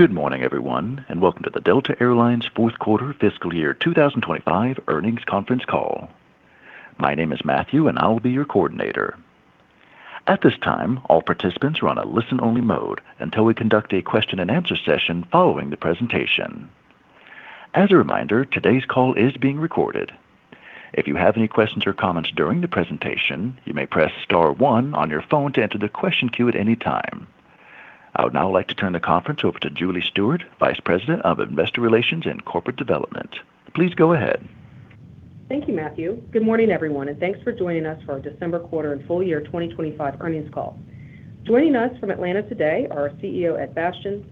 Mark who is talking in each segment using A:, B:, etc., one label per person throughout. A: Good morning, everyone, and welcome to the Delta Air Lines Fourth Quarter Fiscal Year 2025 Earnings Conference Call. My name is Matthew, and I'll be your coordinator. At this time, all participants are on a listen-only mode until we conduct a question-and-answer session following the presentation. As a reminder, today's call is being recorded. If you have any questions or comments during the presentation, you may press star one on your phone to enter the question queue at any time. I would now like to turn the conference over to Julie Stewart, Vice President of Investor Relations and Corporate Development. Please go ahead. Loop
B: Thank you, Matthew. Good morning, everyone, and thanks for joining us for our December Quarter and Full Year 2025 Earnings Call. Joining us from Atlanta today are our CEO, Ed Bastian,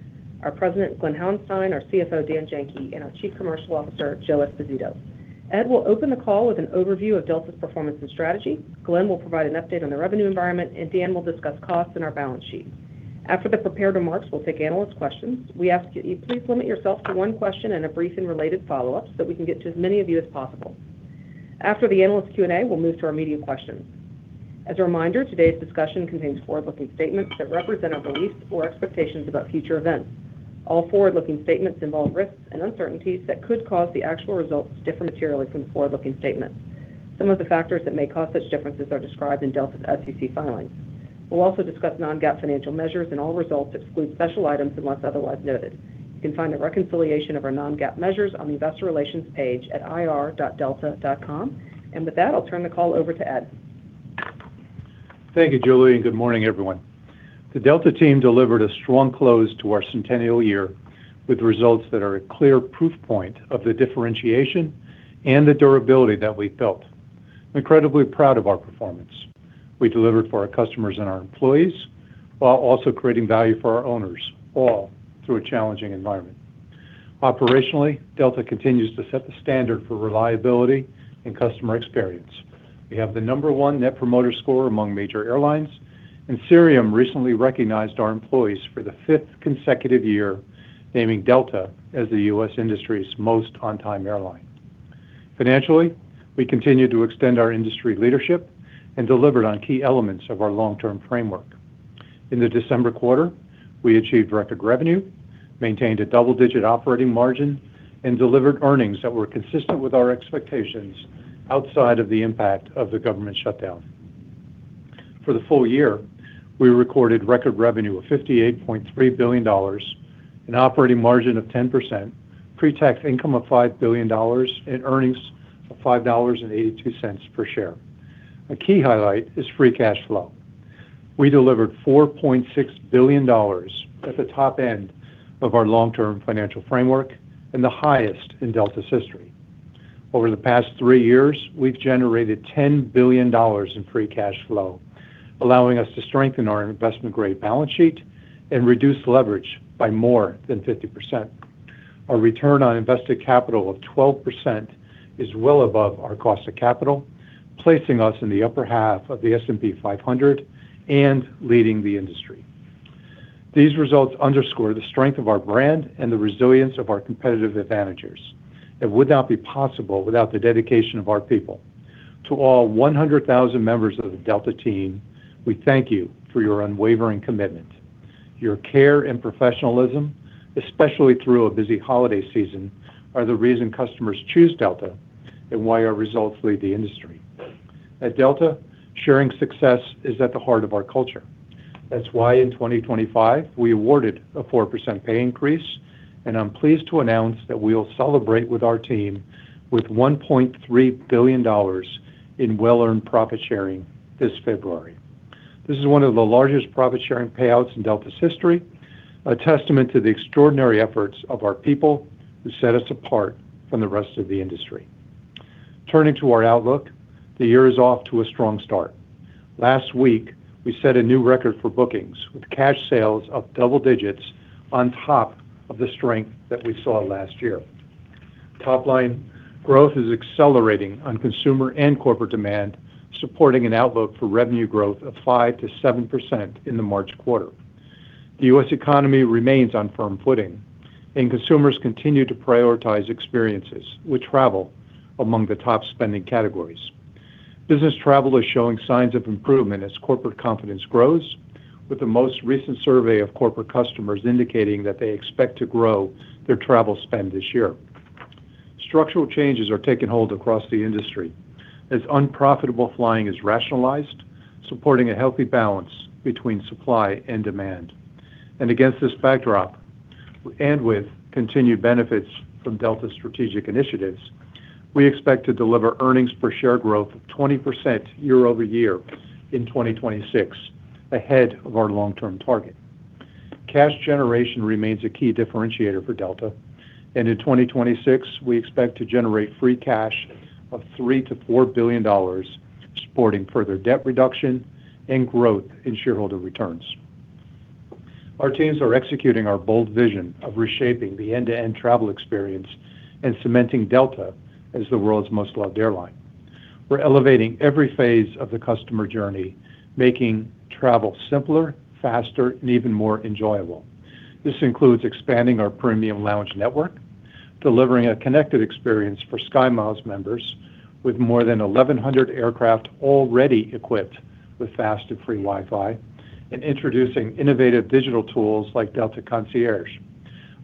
B: our President, Glen Hauenstein, our CFO, Dan Janki, and our Chief Commercial Officer, Joe Esposito. Ed will open the call with an overview of Delta's performance and strategy. Glen will provide an update on the revenue environment, and Dan will discuss costs and our balance sheet. After the prepared remarks, we'll take analyst questions. We ask that you please limit yourself to one question and a brief and related follow-up so that we can get to as many of you as possible. After the analyst Q&A, we'll move to our media questions. As a reminder, today's discussion contains forward-looking statements that represent our beliefs or expectations about future events. All forward-looking statements involve risks and uncertainties that could cause the actual results to differ materially from the forward-looking statements. Some of the factors that may cause such differences are described in Delta's SEC filings. We'll also discuss non-GAAP financial measures, and all results exclude special items unless otherwise noted. You can find the reconciliation of our non-GAAP measures on the Investor Relations page at ir.delta.com. And with that, I'll turn the call over to Ed.
C: Thank you, Julie, and good morning, everyone. The Delta team delivered a strong close to our centennial year with results that are a clear proof point of the differentiation and the durability that we felt. I'm incredibly proud of our performance. We delivered for our customers and our employees while also creating value for our owners, all through a challenging environment. Operationally, Delta continues to set the standard for reliability and customer experience. We have the number one Net Promoter Score among major airlines, and Cirium recently recognized our employees for the fifth consecutive year, naming Delta as the U.S. industry's most on-time airline. Financially, we continue to extend our industry leadership and delivered on key elements of our long-term framework. In the December quarter, we achieved record revenue, maintained a double-digit operating margin, and delivered earnings that were consistent with our expectations outside of the impact of the government shutdown. For the full year, we recorded record revenue of $58.3 billion, an operating margin of 10%, pre-tax income of $5 billion, and earnings of $5.82 per share. A key highlight is free cash flow. We delivered $4.6 billion at the top end of our long-term financial framework and the highest in Delta's history. Over the past three years, we've generated $10 billion in free cash flow, allowing us to strengthen our investment-grade balance sheet and reduce leverage by more than 50%. Our return on invested capital of 12% is well above our cost of capital, placing us in the upper half of the S&P 500 and leading the industry. These results underscore the strength of our brand and the resilience of our competitive advantages that would not be possible without the dedication of our people. To all 100,000 members of the Delta team, we thank you for your unwavering commitment. Your care and professionalism, especially through a busy holiday season, are the reason customers choose Delta and why our results lead the industry. At Delta, sharing success is at the heart of our culture. That's why in 2025, we awarded a 4% pay increase, and I'm pleased to announce that we'll celebrate with our team with $1.3 billion in well-earned profit sharing this February. This is one of the largest profit sharing payouts in Delta's history, a testament to the extraordinary efforts of our people who set us apart from the rest of the industry. Turning to our outlook, the year is off to a strong start. Last week, we set a new record for bookings with cash sales of double digits on top of the strength that we saw last year. Top-line growth is accelerating on consumer and corporate demand, supporting an outlook for revenue growth of 5%-7% in the March quarter. The U.S. economy remains on firm footing, and consumers continue to prioritize experiences, which travel among the top spending categories. Business travel is showing signs of improvement as corporate confidence grows, with the most recent survey of corporate customers indicating that they expect to grow their travel spend this year. Structural changes are taking hold across the industry as unprofitable flying is rationalized, supporting a healthy balance between supply and demand. And against this backdrop and with continued benefits from Delta's strategic initiatives, we expect to deliver earnings per share growth of 20% year over year in 2026, ahead of our long-term target. Cash generation remains a key differentiator for Delta, and in 2026, we expect to generate free cash of $3 billion-$4 billion, supporting further debt reduction and growth in shareholder returns. Our teams are executing our bold vision of reshaping the end-to-end travel experience and cementing Delta as the world's most loved airline. We're elevating every phase of the customer journey, making travel simpler, faster, and even more enjoyable. This includes expanding our premium lounge network, delivering a connected experience for SkyMiles members with more than 1,100 aircraft already equipped with fast and free Wi-Fi, and introducing innovative digital tools like Delta Concierge.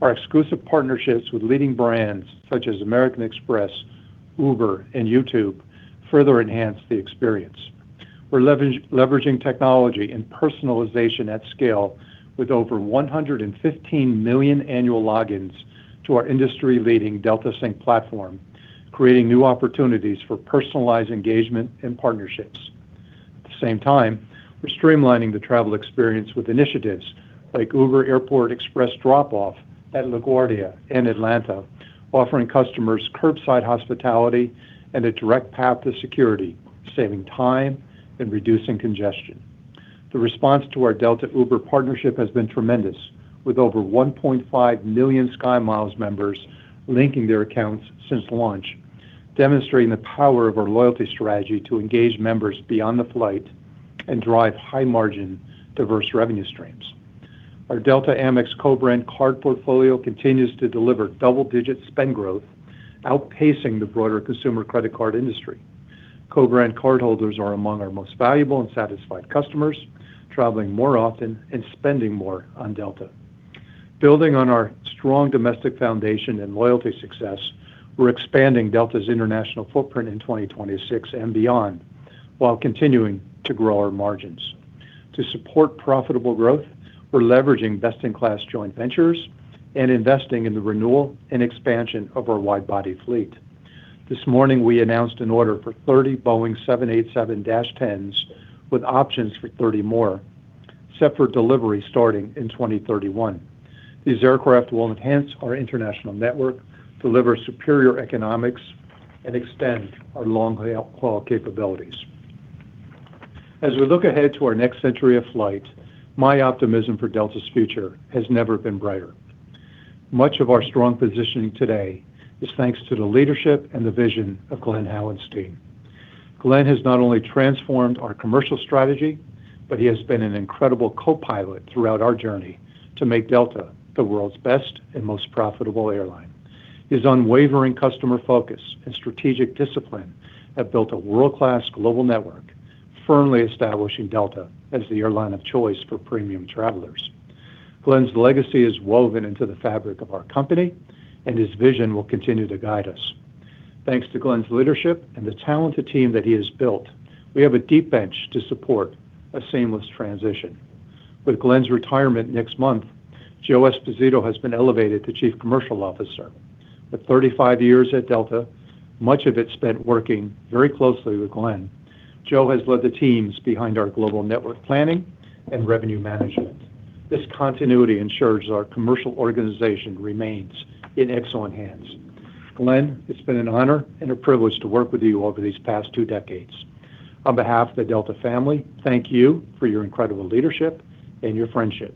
C: Our exclusive partnerships with leading brands such as American Express, Uber, and YouTube further enhance the experience. We're leveraging technology and personalization at scale with over 115 million annual logins to our industry-leading Delta Sync platform, creating new opportunities for personalized engagement and partnerships. At the same time, we're streamlining the travel experience with initiatives like Uber Airport Express drop-off at LaGuardia and Atlanta, offering customers curbside hospitality and a direct path to security, saving time and reducing congestion. The response to our Delta-Uber partnership has been tremendous, with over 1.5 million SkyMiles members linking their accounts since launch, demonstrating the power of our loyalty strategy to engage members beyond the flight and drive high-margin, diverse revenue streams. Our Delta Amex co-branded card portfolio continues to deliver double-digit spend growth, outpacing the broader consumer credit card industry. Co-branded cardholders are among our most valuable and satisfied customers, traveling more often and spending more on Delta. Building on our strong domestic foundation and loyalty success, we're expanding Delta's international footprint in 2026 and beyond while continuing to grow our margins. To support profitable growth, we're leveraging best-in-class joint ventures and investing in the renewal and expansion of our wide-body fleet. This morning, we announced an order for 30 Boeing 787-10s with options for 30 more, set for delivery starting in 2031. These aircraft will enhance our international network, deliver superior economics, and extend our long-haul capabilities. As we look ahead to our next century of flight, my optimism for Delta's future has never been brighter. Much of our strong positioning today is thanks to the leadership and the vision of Glen Hauenstein. Glen has not only transformed our commercial strategy, but he has been an incredible co-pilot throughout our journey to make Delta the world's best and most profitable airline. His unwavering customer focus and strategic discipline have built a world-class global network, firmly establishing Delta as the airline of choice for premium travelers. Glen's legacy is woven into the fabric of our company, and his vision will continue to guide us. Thanks to Glen's leadership and the talented team that he has built, we have a deep bench to support a seamless transition. With Glen's retirement next month, Joe Esposito has been elevated to Chief Commercial Officer. With 35 years at Delta, much of it spent working very closely with Glen, Joe has led the teams behind our global network planning and revenue management. This continuity ensures our commercial organization remains in excellent hands. Glen, it's been an honor and a privilege to work with you over these past two decades. On behalf of the Delta family, thank you for your incredible leadership and your friendship.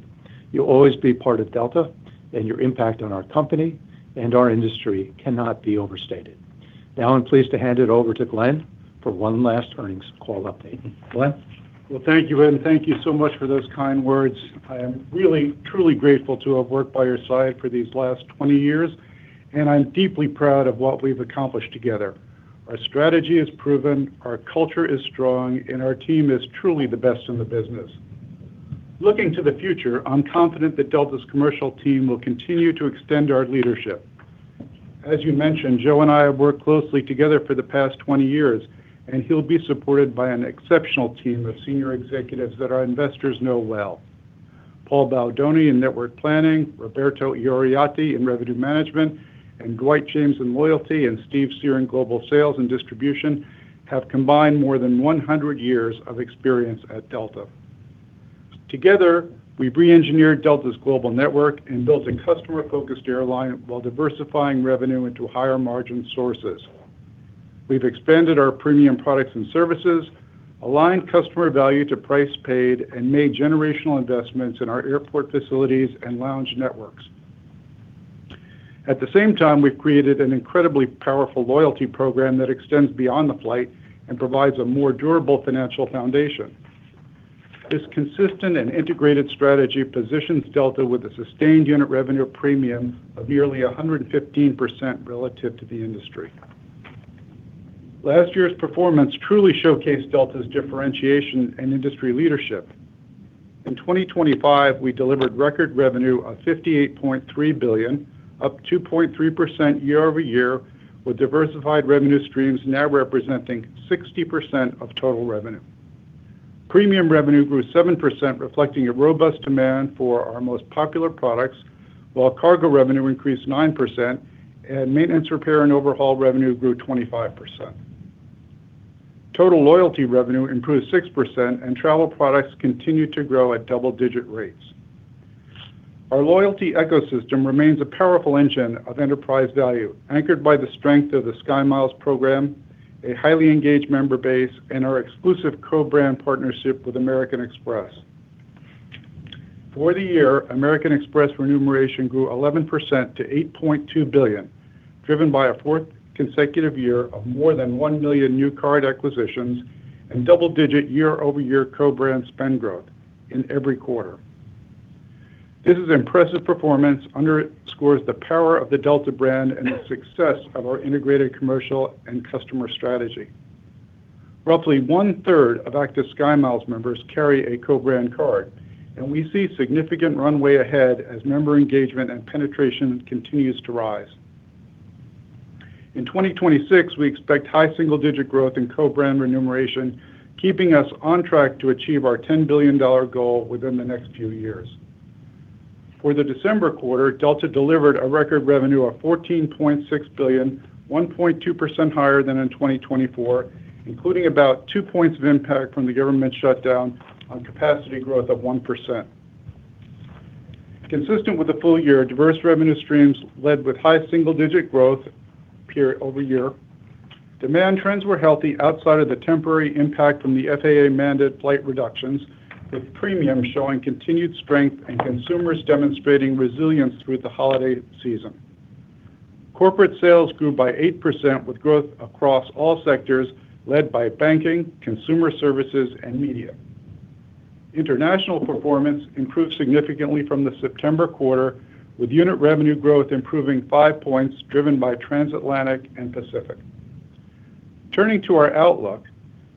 C: You'll always be part of Delta, and your impact on our company and our industry cannot be overstated. Now, I'm pleased to hand it over to Glen for one last earnings call update. Glen.
D: Thank you, Ed, and thank you so much for those kind words. I am really, truly grateful to have worked by your side for these last 20 years, and I'm deeply proud of what we've accomplished together. Our strategy is proven, our culture is strong, and our team is truly the best in the business. Looking to the future, I'm confident that Delta's commercial team will continue to extend our leadership. As you mentioned, Joe and I have worked closely together for the past 20 years, and he'll be supported by an exceptional team of senior executives that our investors know well. Paul Baldoni in network planning, Roberto Ioriatti in revenue management, and Dwight James in loyalty, and Steve Sear, Global Sales and Distribution, have combined more than 100 years of experience at Delta. Together, we've re-engineered Delta's global network and built a customer-focused airline while diversifying revenue into higher margin sources. We've expanded our premium products and services, aligned customer value to price paid, and made generational investments in our airport facilities and lounge networks. At the same time, we've created an incredibly powerful loyalty program that extends beyond the flight and provides a more durable financial foundation. This consistent and integrated strategy positions Delta with a sustained unit revenue premium of nearly 115% relative to the industry. Last year's performance truly showcased Delta's differentiation and industry leadership. In 2025, we delivered record revenue of $58.3 billion, up 2.3% year-over-year, with diversified revenue streams now representing 60% of total revenue. Premium revenue grew 7%, reflecting a robust demand for our most popular products, while cargo revenue increased 9%, and maintenance, repair, and overhaul revenue grew 25%. Total loyalty revenue improved 6%, and travel products continued to grow at double-digit rates. Our loyalty ecosystem remains a powerful engine of enterprise value, anchored by the strength of the SkyMiles program, a highly engaged member base, and our exclusive co-brand partnership with American Express. For the year, American Express remuneration grew 11% to $8.2 billion, driven by a fourth consecutive year of more than 1 million new card acquisitions and double-digit year-over-year co-brand spend growth in every quarter. This impressive performance underscores the power of the Delta brand and the success of our integrated commercial and customer strategy. Roughly one-third of active SkyMiles members carry a co-brand card, and we see significant runway ahead as member engagement and penetration continues to rise. In 2026, we expect high single-digit growth in co-brand remuneration, keeping us on track to achieve our $10 billion goal within the next few years. For the December quarter, Delta delivered a record revenue of $14.6 billion, 1.2% higher than in 2024, including about two points of impact from the government shutdown on capacity growth of 1%. Consistent with the full year, diverse revenue streams led with high single-digit growth over year. Demand trends were healthy outside of the temporary impact from the FAA-mandated flight reductions, with premium showing continued strength and consumers demonstrating resilience through the holiday season. Corporate sales grew by 8%, with growth across all sectors led by banking, consumer services, and media. International performance improved significantly from the September quarter, with unit revenue growth improving 5 points, driven by transatlantic and Pacific. Turning to our outlook,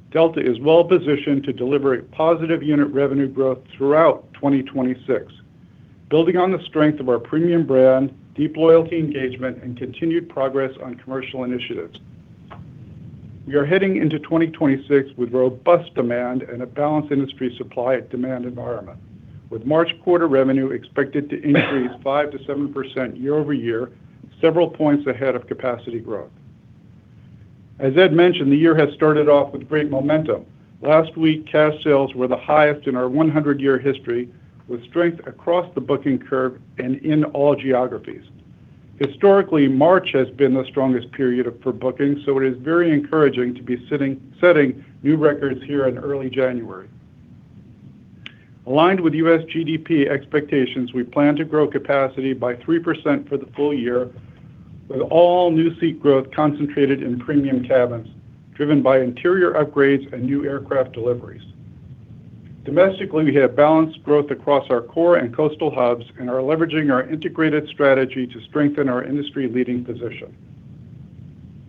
D: Delta is well-positioned to deliver positive unit revenue growth throughout 2026, building on the strength of our premium brand, deep loyalty engagement, and continued progress on commercial initiatives. We are heading into 2026 with robust demand and a balanced industry supply-demand environment, with March quarter revenue expected to increase 5%-7% year over year, several points ahead of capacity growth. As Ed mentioned, the year has started off with great momentum. Last week, cash sales were the highest in our 100-year history, with strength across the booking curve and in all geographies. Historically, March has been the strongest period for bookings, so it is very encouraging to be setting new records here in early January. Aligned with U.S. GDP expectations, we plan to grow capacity by 3% for the full year, with all new seat growth concentrated in premium cabins, driven by interior upgrades and new aircraft deliveries. Domestically, we have balanced growth across our core and coastal hubs and are leveraging our integrated strategy to strengthen our industry-leading position.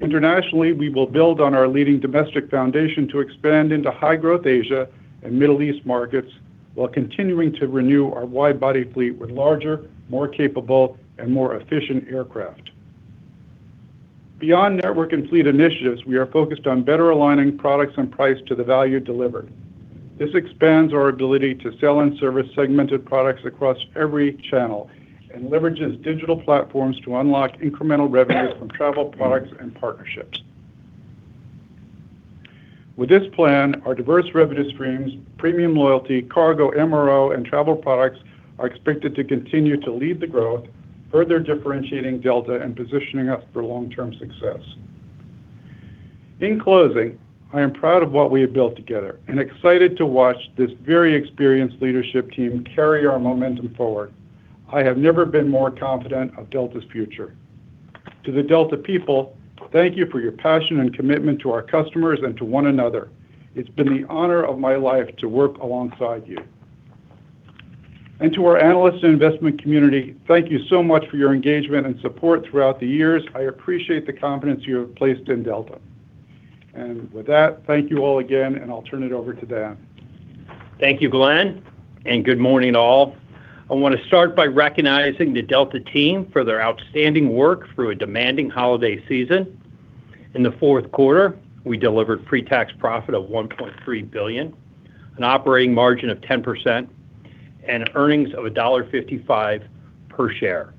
D: Internationally, we will build on our leading domestic foundation to expand into high-growth Asia and Middle East markets while continuing to renew our wide-body fleet with larger, more capable, and more efficient aircraft. Beyond network and fleet initiatives, we are focused on better aligning products and price to the value delivered. This expands our ability to sell and service segmented products across every channel and leverages digital platforms to unlock incremental revenues from travel products and partnerships. With this plan, our diverse revenue streams, premium loyalty, cargo, MRO, and travel products are expected to continue to lead the growth, further differentiating Delta and positioning us for long-term success. In closing, I am proud of what we have built together and excited to watch this very experienced leadership team carry our momentum forward. I have never been more confident of Delta's future. To the Delta people, thank you for your passion and commitment to our customers and to one another. It's been the honor of my life to work alongside you. And to our analysts and investment community, thank you so much for your engagement and support throughout the years. I appreciate the confidence you have placed in Delta. And with that, thank you all again, and I'll turn it over to Dan.
E: Thank you, Glen, and good morning to all. I want to start by recognizing the Delta team for their outstanding work through a demanding holiday season. In the fourth quarter, we delivered pre-tax profit of $1.3 billion, an operating margin of 10%, and earnings of $1.55 per share.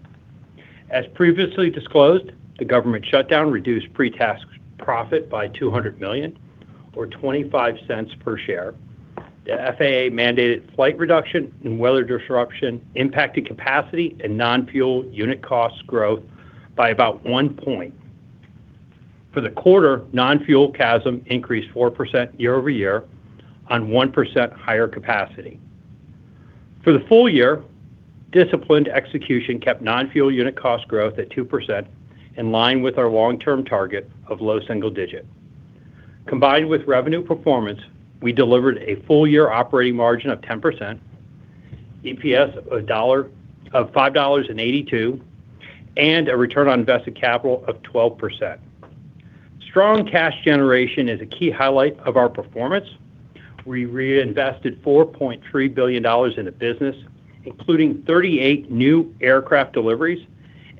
E: As previously disclosed, the government shutdown reduced pre-tax profit by $200 million, or $0.25 per share. The FAA-mandated flight reduction and weather disruption impacted capacity and non-fuel unit cost growth by about one point. For the quarter, non-fuel CASM increased 4% year over year on 1% higher capacity. For the full year, disciplined execution kept non-fuel unit cost growth at 2%, in line with our long-term target of low single digit. Combined with revenue performance, we delivered a full-year operating margin of 10%, EPS of $5.82, and a return on invested capital of 12%. Strong cash generation is a key highlight of our performance. We reinvested $4.3 billion in the business, including 38 new aircraft deliveries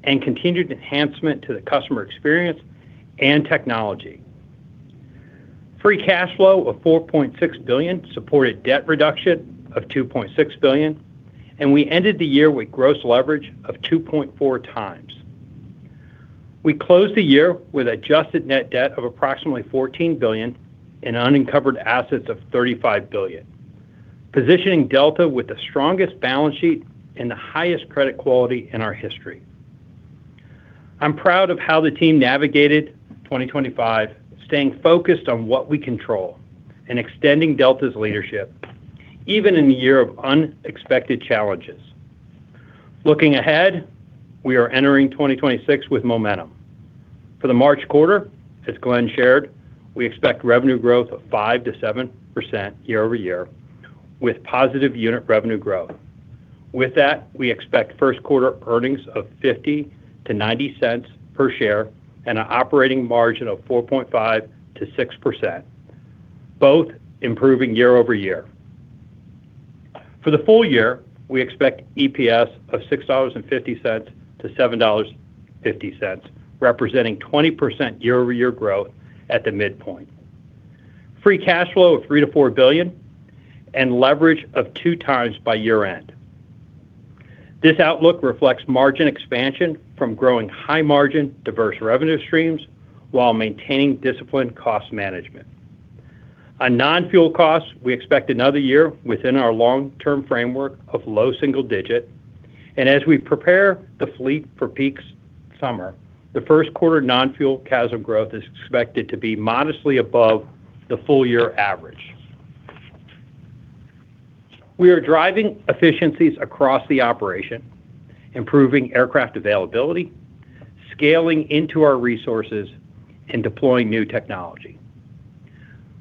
E: and continued enhancement to the customer experience and technology. Free cash flow of $4.6 billion supported debt reduction of $2.6 billion, and we ended the year with gross leverage of 2.4x. We closed the year with adjusted net debt of approximately $14 billion and unencumbered assets of $35 billion, positioning Delta with the strongest balance sheet and the highest credit quality in our history. I'm proud of how the team navigated 2025, staying focused on what we control and extending Delta's leadership, even in a year of unexpected challenges. Looking ahead, we are entering 2026 with momentum. For the March quarter, as Glen shared, we expect revenue growth of 5%-7% year over year, with positive unit revenue growth. With that, we expect first quarter earnings of $0.50-$0.90 per share and an operating margin of 4.5%-6%, both improving year over year. For the full year, we expect EPS of $6.50-$7.50, representing 20% year-over-year growth at the midpoint, free cash flow of $3-$4 billion, and leverage of two times by year-end. This outlook reflects margin expansion from growing high-margin, diverse revenue streams while maintaining disciplined cost management. On non-fuel costs, we expect another year within our long-term framework of low single digit. As we prepare the fleet for peak summer, the first quarter non-fuel CASM growth is expected to be modestly above the full-year average. We are driving efficiencies across the operation, improving aircraft availability, scaling into our resources, and deploying new technology,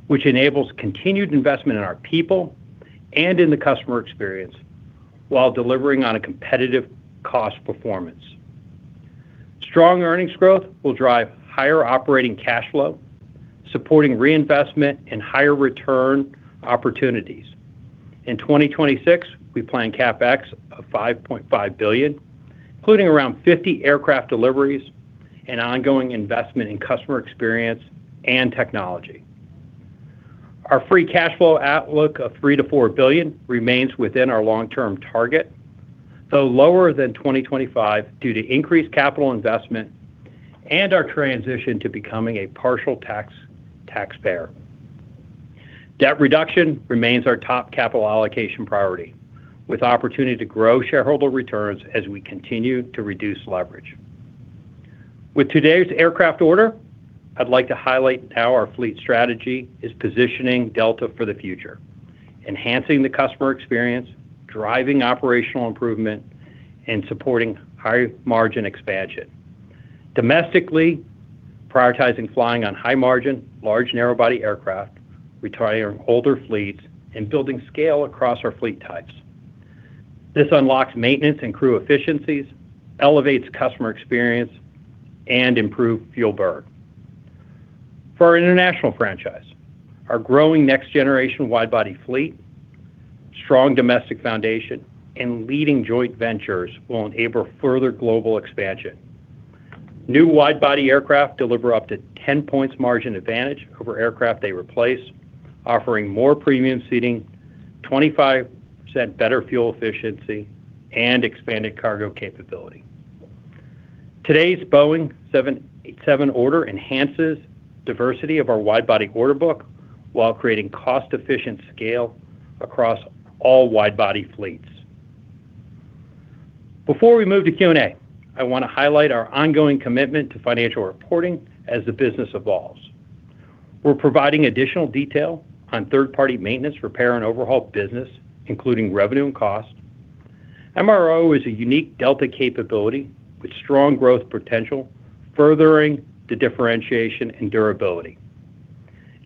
E: which enables continued investment in our people and in the customer experience while delivering on a competitive cost performance. Strong earnings growth will drive higher operating cash flow, supporting reinvestment and higher return opportunities. In 2026, we plan CapEx of $5.5 billion, including around 50 aircraft deliveries and ongoing investment in customer experience and technology. Our free cash flow outlook of $3-$4 billion remains within our long-term target, though lower than 2025 due to increased capital investment and our transition to becoming a partial tax taxpayer. Debt reduction remains our top capital allocation priority, with opportunity to grow shareholder returns as we continue to reduce leverage. With today's aircraft order, I'd like to highlight how our fleet strategy is positioning Delta for the future, enhancing the customer experience, driving operational improvement, and supporting high-margin expansion. Domestically, prioritizing flying on high-margin, large narrow-body aircraft, retiring older fleets, and building scale across our fleet types. This unlocks maintenance and crew efficiencies, elevates customer experience, and improves fuel burn. For our international franchise, our growing next-generation wide-body fleet, strong domestic foundation, and leading joint ventures will enable further global expansion. New wide-body aircraft deliver up to 10 points margin advantage over aircraft they replace, offering more premium seating, 25% better fuel efficiency, and expanded cargo capability. Today's Boeing 787 order enhances diversity of our wide-body order book while creating cost-efficient scale across all wide-body fleets. Before we move to Q&A, I want to highlight our ongoing commitment to financial reporting as the business evolves. We're providing additional detail on third-party maintenance, repair, and overhaul business, including revenue and cost. MRO is a unique Delta capability with strong growth potential, furthering the differentiation and durability.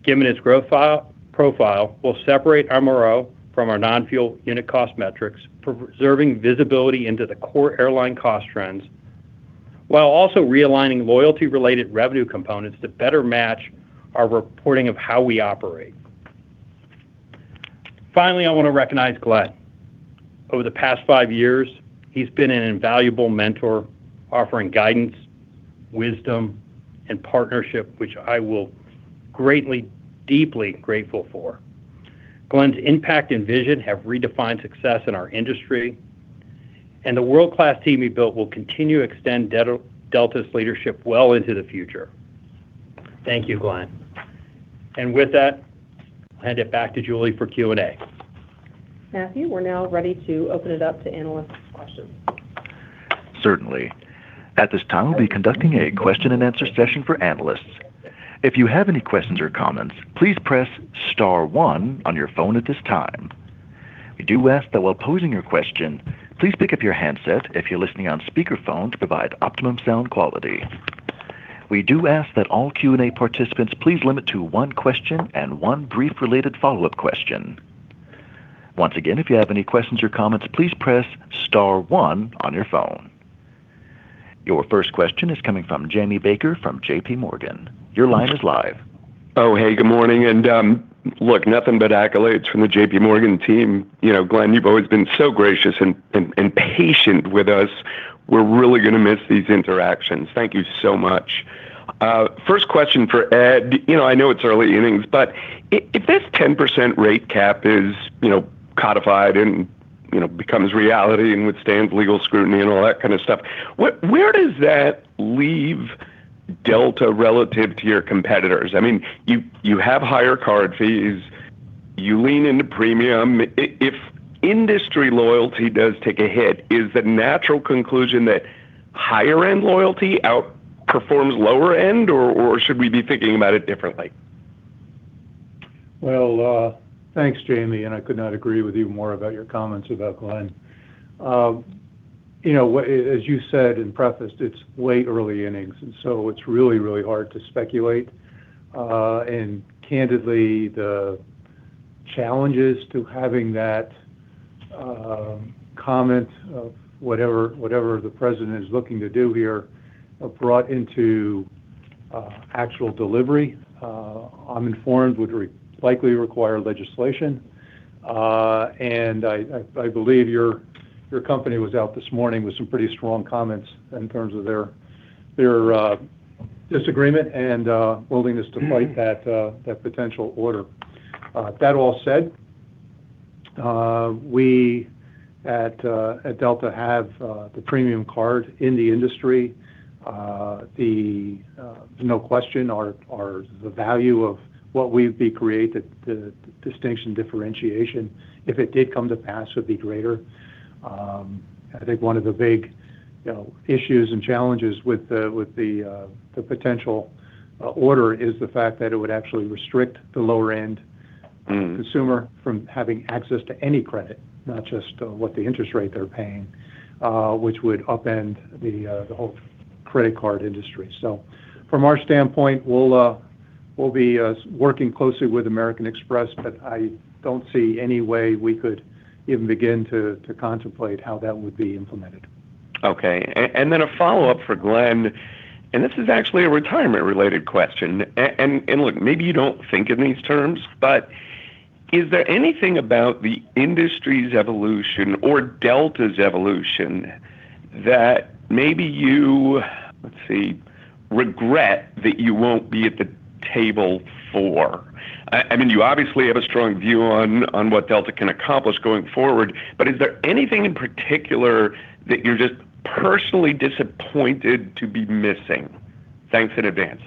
E: Given its growth profile, we'll separate MRO from our non-fuel unit cost metrics, preserving visibility into the core airline cost trends, while also realigning loyalty-related revenue components to better match our reporting of how we operate. Finally, I want to recognize Glen. Over the past five years, he's been an invaluable mentor, offering guidance, wisdom, and partnership, which I will greatly, deeply be grateful for. Glen's impact and vision have redefined success in our industry, and the world-class team he built will continue to extend Delta's leadership well into the future. Thank you, Glen. And with that, I'll hand it back to Julie for Q&A.
B: Matthew, we're now ready to open it up to analysts' questions.
A: Certainly. At this time, we'll be conducting a question-and-answer session for analysts. If you have any questions or comments, please press star one on your phone at this time. We do ask that while posing your question, please pick up your handset if you're listening on speakerphone to provide optimum sound quality. We do ask that all Q&A participants please limit to one question and one brief related follow-up question. Once again, if you have any questions or comments, please press star one on your phone. Your first question is coming from Jamie Baker from JPMorgan. Your line is live.
F: Oh, hey, good morning. And look, nothing but accolades from the JPMorgan team. Glen, you've always been so gracious and patient with us. We're really going to miss these interactions. Thank you so much. First question for Ed. I know it's early innings, but if this 10% rate cap is codified and becomes reality and withstands legal scrutiny and all that kind of stuff, where does that leave Delta relative to your competitors? I mean, you have higher card fees. You lean into premium. If industry loyalty does take a hit, is the natural conclusion that higher-end loyalty outperforms lower-end, or should we be thinking about it differently?
C: Thanks, Jamie, and I could not agree with you more about your comments about Glen. As you said and prefaced, it's the early innings, and so it's really, really hard to speculate. Candidly, the challenges to having that comment of whatever the president is looking to do here brought into actual delivery, I'm informed, would likely require legislation. I believe your company was out this morning with some pretty strong comments in terms of their disagreement and willingness to fight that potential order. That all said, we at Delta have the premium card in the industry. There's no question the value of what we've created, the distinction, differentiation, if it did come to pass, would be greater. I think one of the big issues and challenges with the potential order is the fact that it would actually restrict the lower-end consumer from having access to any credit, not just what the interest rate they're paying, which would upend the whole credit card industry. So from our standpoint, we'll be working closely with American Express, but I don't see any way we could even begin to contemplate how that would be implemented.
F: Okay. And then a follow-up for Glen, and this is actually a retirement-related question. And look, maybe you don't think in these terms, but is there anything about the industry's evolution or Delta's evolution that maybe you, let's see, regret that you won't be at the table for? I mean, you obviously have a strong view on what Delta can accomplish going forward, but is there anything in particular that you're just personally disappointed to be missing? Thanks in advance.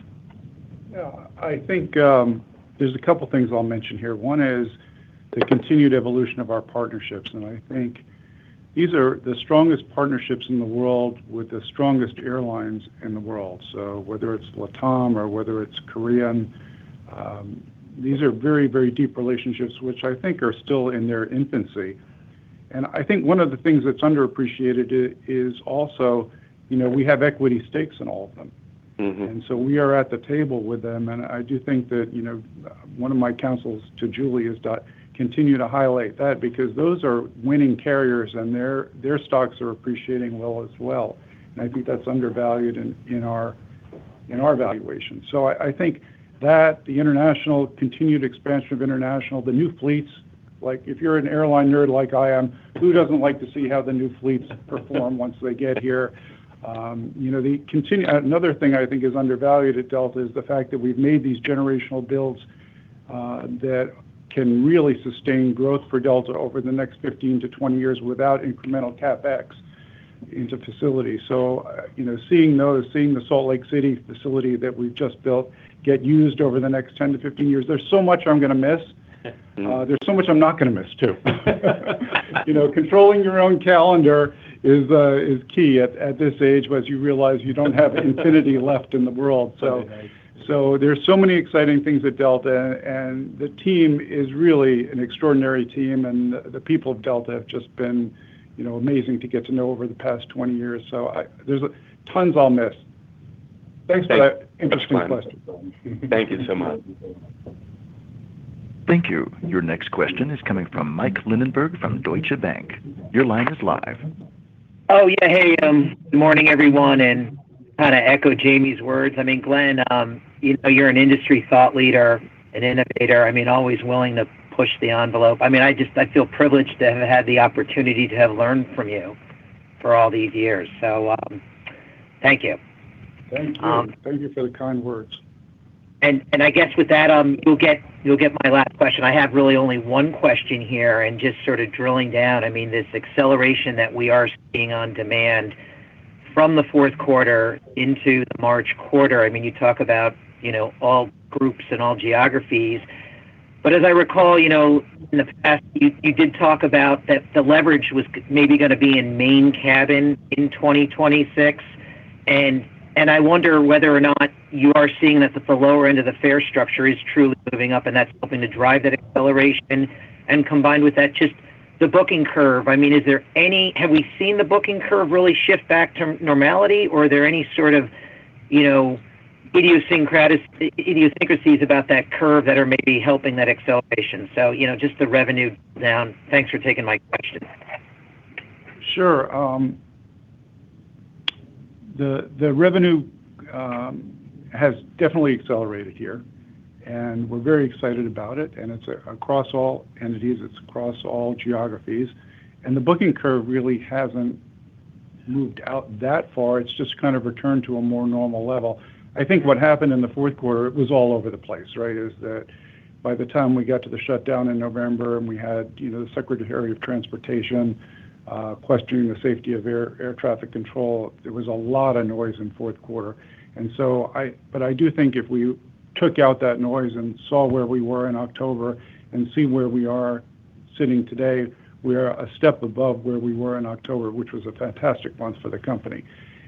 D: Yeah. I think there's a couple of things I'll mention here. One is the continued evolution of our partnerships, and I think these are the strongest partnerships in the world with the strongest airlines in the world, so whether it's LATAM or whether it's Korean, these are very, very deep relationships, which I think are still in their infancy. And I think one of the things that's underappreciated is also we have equity stakes in all of them, and so we are at the table with them. And I do think that one of my counsels to Julie has continued to highlight that because those are winning carriers and their stocks are appreciating well as well. And I think that's undervalued in our valuation. So I think that the international continued expansion, the new fleets, like if you're an airline nerd like I am, who doesn't like to see how the new fleets perform once they get here? Another thing I think is undervalued at Delta is the fact that we've made these generational builds that can really sustain growth for Delta over the next 15-20 years without incremental CapEx into facilities. So seeing those, seeing the Salt Lake City facility that we've just built get used over the next 10-15 years, there's so much I'm going to miss. There's so much I'm not going to miss too. Controlling your own calendar is key at this age as you realize you don't have infinity left in the world. So there's so many exciting things at Delta, and the team is really an extraordinary team, and the people of Delta have just been amazing to get to know over the past 20 years. So there's tons I'll miss. Thanks for that interesting question.
F: Thank you so much.
A: Thank you. Your next question is coming from Mike Linenberg from Deutsche Bank. Your line is live.
G: Oh, yeah. Hey, good morning, everyone. And kind of echo Jamie's words. I mean, Glen, you're an industry thought leader, an innovator, I mean, always willing to push the envelope. I mean, I feel privileged to have had the opportunity to have learned from you for all these years. So thank you.
D: Thank you. Thank you for the kind words.
G: I guess with that, you'll get my last question. I have really only one question here. Just sort of drilling down, I mean, this acceleration that we are seeing on demand from the fourth quarter into the March quarter, I mean, you talk about all groups and all geographies. But as I recall, in the past, you did talk about that the leverage was maybe going to be in Main Cabin in 2026. And I wonder whether or not you are seeing that the lower end of the fare structure is truly moving up, and that's helping to drive that acceleration. And combined with that, just the booking curve, I mean, have we seen the booking curve really shift back to normality, or are there any sort of idiosyncrasies about that curve that are maybe helping that acceleration? So just the revenue down. Thanks for taking my question.
D: Sure. The revenue has definitely accelerated here, and we're very excited about it. And it's across all entities. It's across all geographies. And the booking curve really hasn't moved out that far. It's just kind of returned to a more normal level. I think what happened in the fourth quarter, it was all over the place, right, is that by the time we got to the shutdown in November and we had the Secretary of Transportation questioning the safety of air traffic control, there was a lot of noise in fourth quarter. And so I do think if we took out that noise and saw where we were in October and see where we are sitting today, we are a step above where we were in October, which was a fantastic month for the company.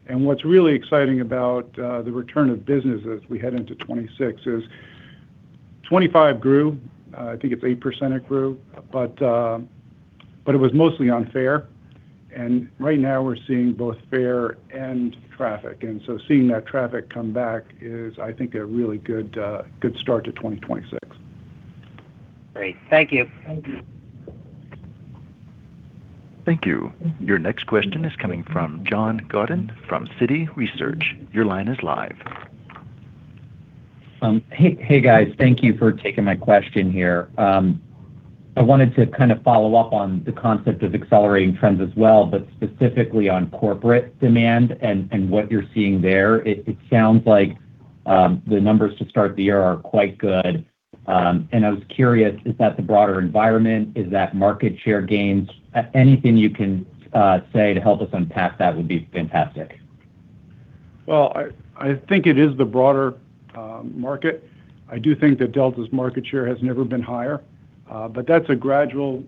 D: What's really exciting about the return of business as we head into 2026 is 2025 grew. I think it's 8% year-over-year, but it was mostly on fare. And right now, we're seeing both fare and traffic. And so seeing that traffic come back is, I think, a really good start to 2026.
G: Great. Thank you.
D: Thank you.
A: Thank you. Your next question is coming from John Godyn from Citi. Your line is live.
H: Hey, guys. Thank you for taking my question here. I wanted to kind of follow up on the concept of accelerating trends as well, but specifically on corporate demand and what you're seeing there. It sounds like the numbers to start the year are quite good. And I was curious, is that the broader environment? Is that market share gains? Anything you can say to help us unpack that would be fantastic.
D: I think it is the broader market. I do think that Delta's market share has never been higher, but that's a gradual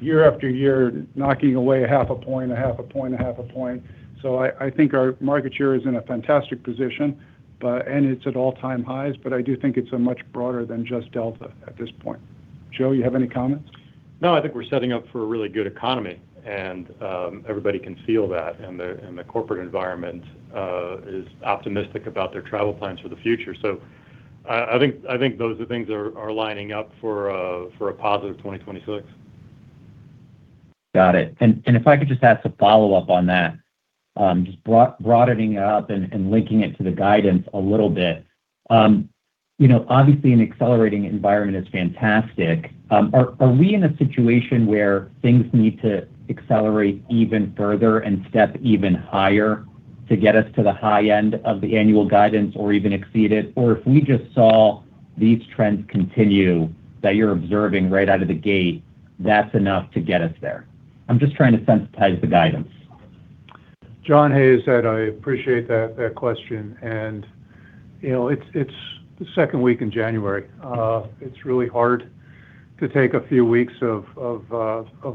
D: year after year knocking away a half a point, a half a point, a half a point. So I think our market share is in a fantastic position, and it's at all-time highs, but I do think it's much broader than just Delta at this point. Joe, you have any comments?
I: No, I think we're setting up for a really good economy, and everybody can feel that, and the corporate environment is optimistic about their travel plans for the future, so I think those are things that are lining up for a positive 2026.
H: Got it. And if I could just ask a follow-up on that, just broadening it up and linking it to the guidance a little bit. Obviously, an accelerating environment is fantastic. Are we in a situation where things need to accelerate even further and step even higher to get us to the high end of the annual guidance or even exceed it? Or if we just saw these trends continue that you're observing right out of the gate, that's enough to get us there? I'm just trying to sensitize the guidance.
C: John [Ed here] I appreciate that question. And it's the second week in January. It's really hard to take a few weeks of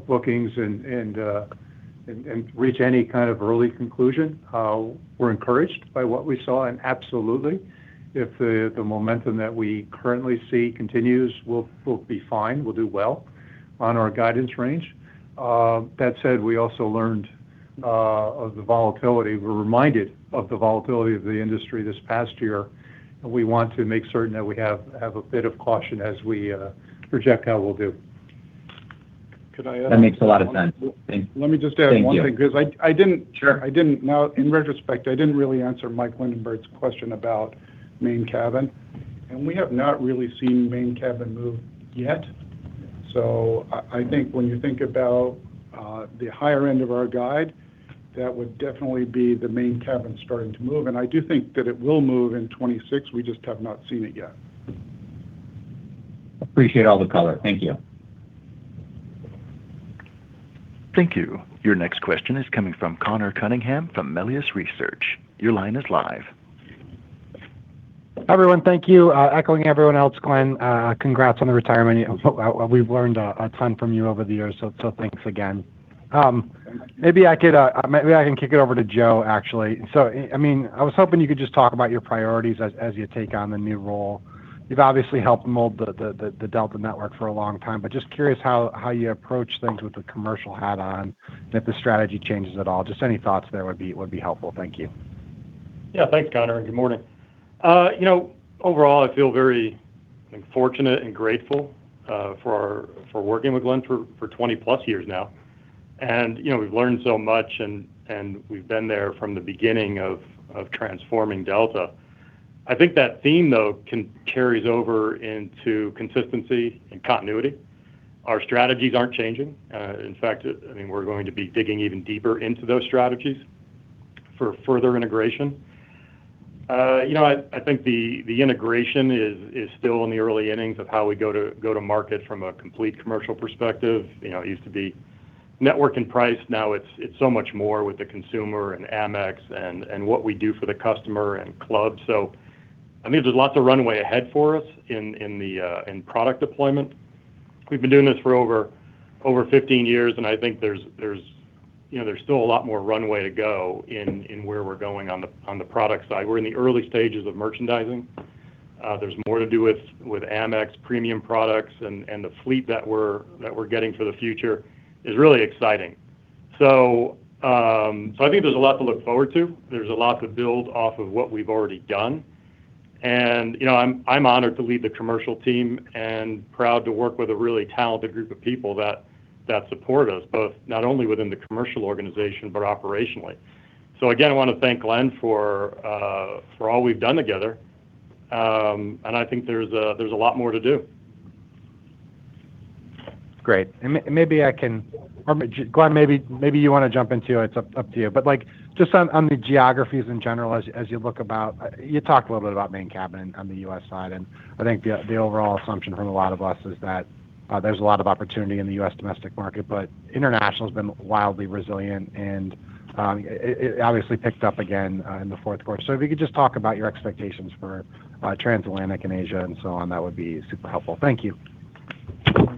C: bookings and reach any kind of early conclusion. We're encouraged by what we saw, and absolutely, if the momentum that we currently see continues, we'll be fine. We'll do well on our guidance range. That said, we also learned of the volatility. We're reminded of the volatility of the industry this past year, and we want to make certain that we have a bit of caution as we project how we'll do. Can I add?
H: That makes a lot of sense.
D: Thank you. Let me just add one thing because I didn't know in retrospect, I didn't really answer Mike Linenberg's question about Main Cabin. And we have not really seen Main Cabin move yet. So I think when you think about the higher end of our guide, that would definitely be the Main Cabin starting to move. And I do think that it will move in 2026. We just have not seen it yet.
H: Appreciate all the color. Thank you.
A: Thank you. Your next question is coming from Conor Cunningham from Melius Research. Your line is live.
J: Hi, everyone. Thank you. Echoing everyone else, Glen, congrats on the retirement. We've learned a ton from you over the years, so thanks again. Maybe I can kick it over to Joe, actually. So I mean, I was hoping you could just talk about your priorities as you take on the new role. You've obviously helped mold the Delta network for a long time, but just curious how you approach things with the commercial hat on and if the strategy changes at all. Just any thoughts there would be helpful. Thank you.
I: Yeah. Thanks, Connor. And good morning. Overall, I feel very fortunate and grateful for working with Glen for 20-plus years now. And we've learned so much, and we've been there from the beginning of transforming Delta. I think that theme, though, carries over into consistency and continuity. Our strategies aren't changing. In fact, I mean, we're going to be digging even deeper into those strategies for further integration. I think the integration is still in the early innings of how we go to market from a complete commercial perspective. It used to be network and price. Now it's so much more with the consumer and Amex and what we do for the customer and club. So I think there's lots of runway ahead for us in product deployment. We've been doing this for over 15 years, and I think there's still a lot more runway to go in where we're going on the product side. We're in the early stages of merchandising. There's more to do with Amex premium products, and the fleet that we're getting for the future is really exciting. So I think there's a lot to look forward to. There's a lot to build off of what we've already done. And I'm honored to lead the commercial team and proud to work with a really talented group of people that support us, both not only within the commercial organization, but operationally. So again, I want to thank Glen for all we've done together. And I think there's a lot more to do.
J: Great. And maybe I can, Glen, maybe you want to jump into it. It's up to you. But just on the geographies in general, as you look about, you talked a little bit about Main Cabin on the U.S. side. And I think the overall assumption from a lot of us is that there's a lot of opportunity in the U.S. domestic market, but international has been wildly resilient and obviously picked up again in the fourth quarter. So if you could just talk about your expectations for transatlantic and Asia and so on, that would be super helpful. Thank you.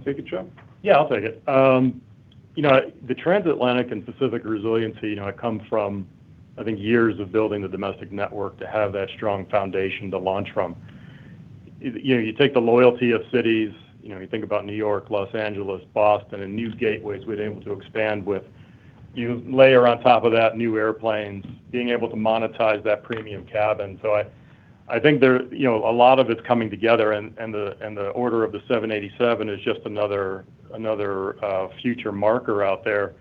C: Take it Joe.
I: Yeah, I'll take it. The transatlantic and Pacific resiliency come from, I think, years of building the domestic network to have that strong foundation to launch from. You take the loyalty of cities. You think about New York, Los Angeles, Boston, and new gateways we're able to expand with. You layer on top of that new airplanes, being able to monetize that premium cabin. So I think a lot of it's coming together, and the order of the 787 is just another future marker out there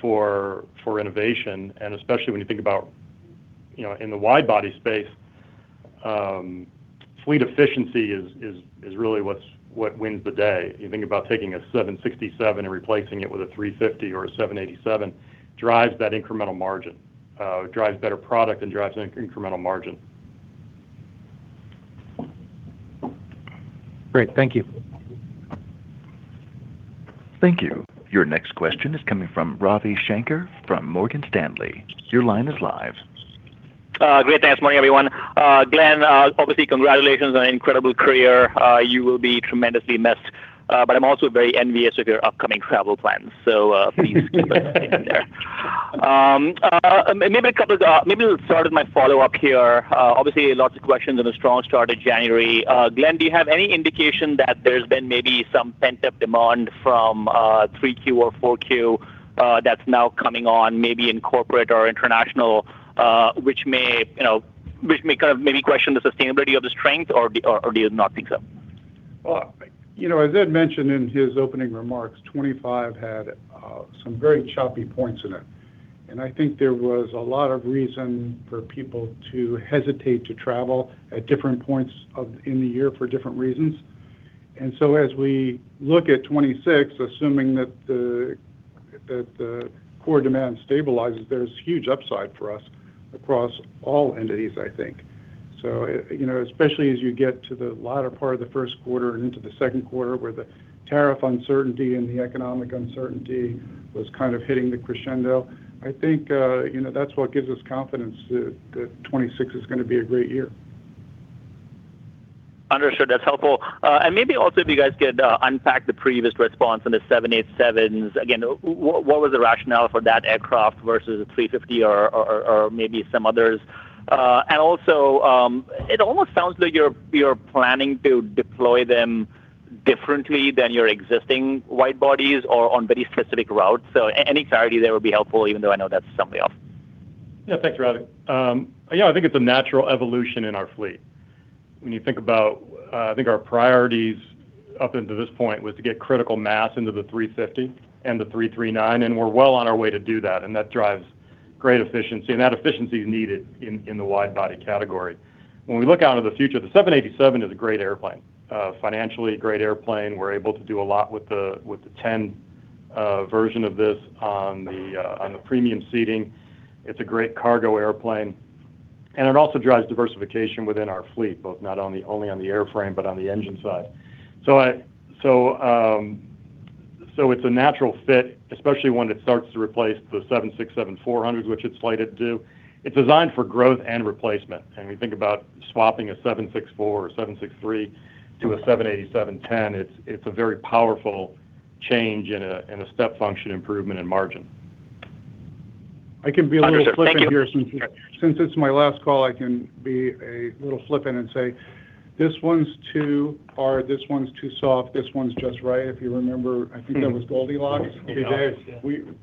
I: for innovation. And especially when you think about in the wide-body space, fleet efficiency is really what wins the day. You think about taking a 767 and replacing it with a 350 or a 787, drives that incremental margin, drives better product, and drives incremental margin.
J: Great. Thank you.
A: Thank you. Your next question is coming from Ravi Shanker from Morgan Stanley. Your line is live.
K: Great, thanks. Morning, everyone. Glen, obviously, congratulations on an incredible career. You will be tremendously missed, but I'm also very envious of your upcoming travel plans. So please keep us in there. Maybe I'll start with my follow-up here. Obviously, lots of questions and a strong start of January. Glen, do you have any indication that there's been maybe some pent-up demand from 3Q or 4Q that's now coming on, maybe in corporate or international, which may kind of maybe question the sustainability of the strength, or do you not think so?
D: As Ed mentioned in his opening remarks, 2025 had some very choppy points in it. I think there was a lot of reason for people to hesitate to travel at different points in the year for different reasons. As we look at 2026, assuming that the core demand stabilizes, there's huge upside for us across all entities, I think. Especially as you get to the latter part of the first quarter and into the second quarter, where the tariff uncertainty and the economic uncertainty was kind of hitting the crescendo, I think that's what gives us confidence that 2026 is going to be a great year.
K: Understood. That's helpful. And maybe also, if you guys could unpack the previous response on the 787s. Again, what was the rationale for that aircraft versus a 350 or maybe some others? And also, it almost sounds like you're planning to deploy them differently than your existing wide bodies or on very specific routes. So any clarity there would be helpful, even though I know that's somewhere else.
I: Yeah. Thanks, Ravi. Yeah, I think it's a natural evolution in our fleet. When you think about, I think our priorities up until this point was to get critical mass into the 350 and the 339, and we're well on our way to do that. And that drives great efficiency. And that efficiency is needed in the wide-body category. When we look out in the future, the 787 is a great airplane, financially a great airplane. We're able to do a lot with the 10 version of this on the premium seating. It's a great cargo airplane. And it also drives diversification within our fleet, both not only on the airframe but on the engine side. So it's a natural fit, especially when it starts to replace the 767-400, which it's slated to do. It's designed for growth and replacement. When you think about swapping a 764 or 763 to a 787-10, it's a very powerful change in a step function improvement and margin.
D: I can be a little flippant here. Since it's my last call, I can be a little flippant and say, "This one's too hard, this one's too soft, this one's just right." If you remember, I think that was Goldilocks.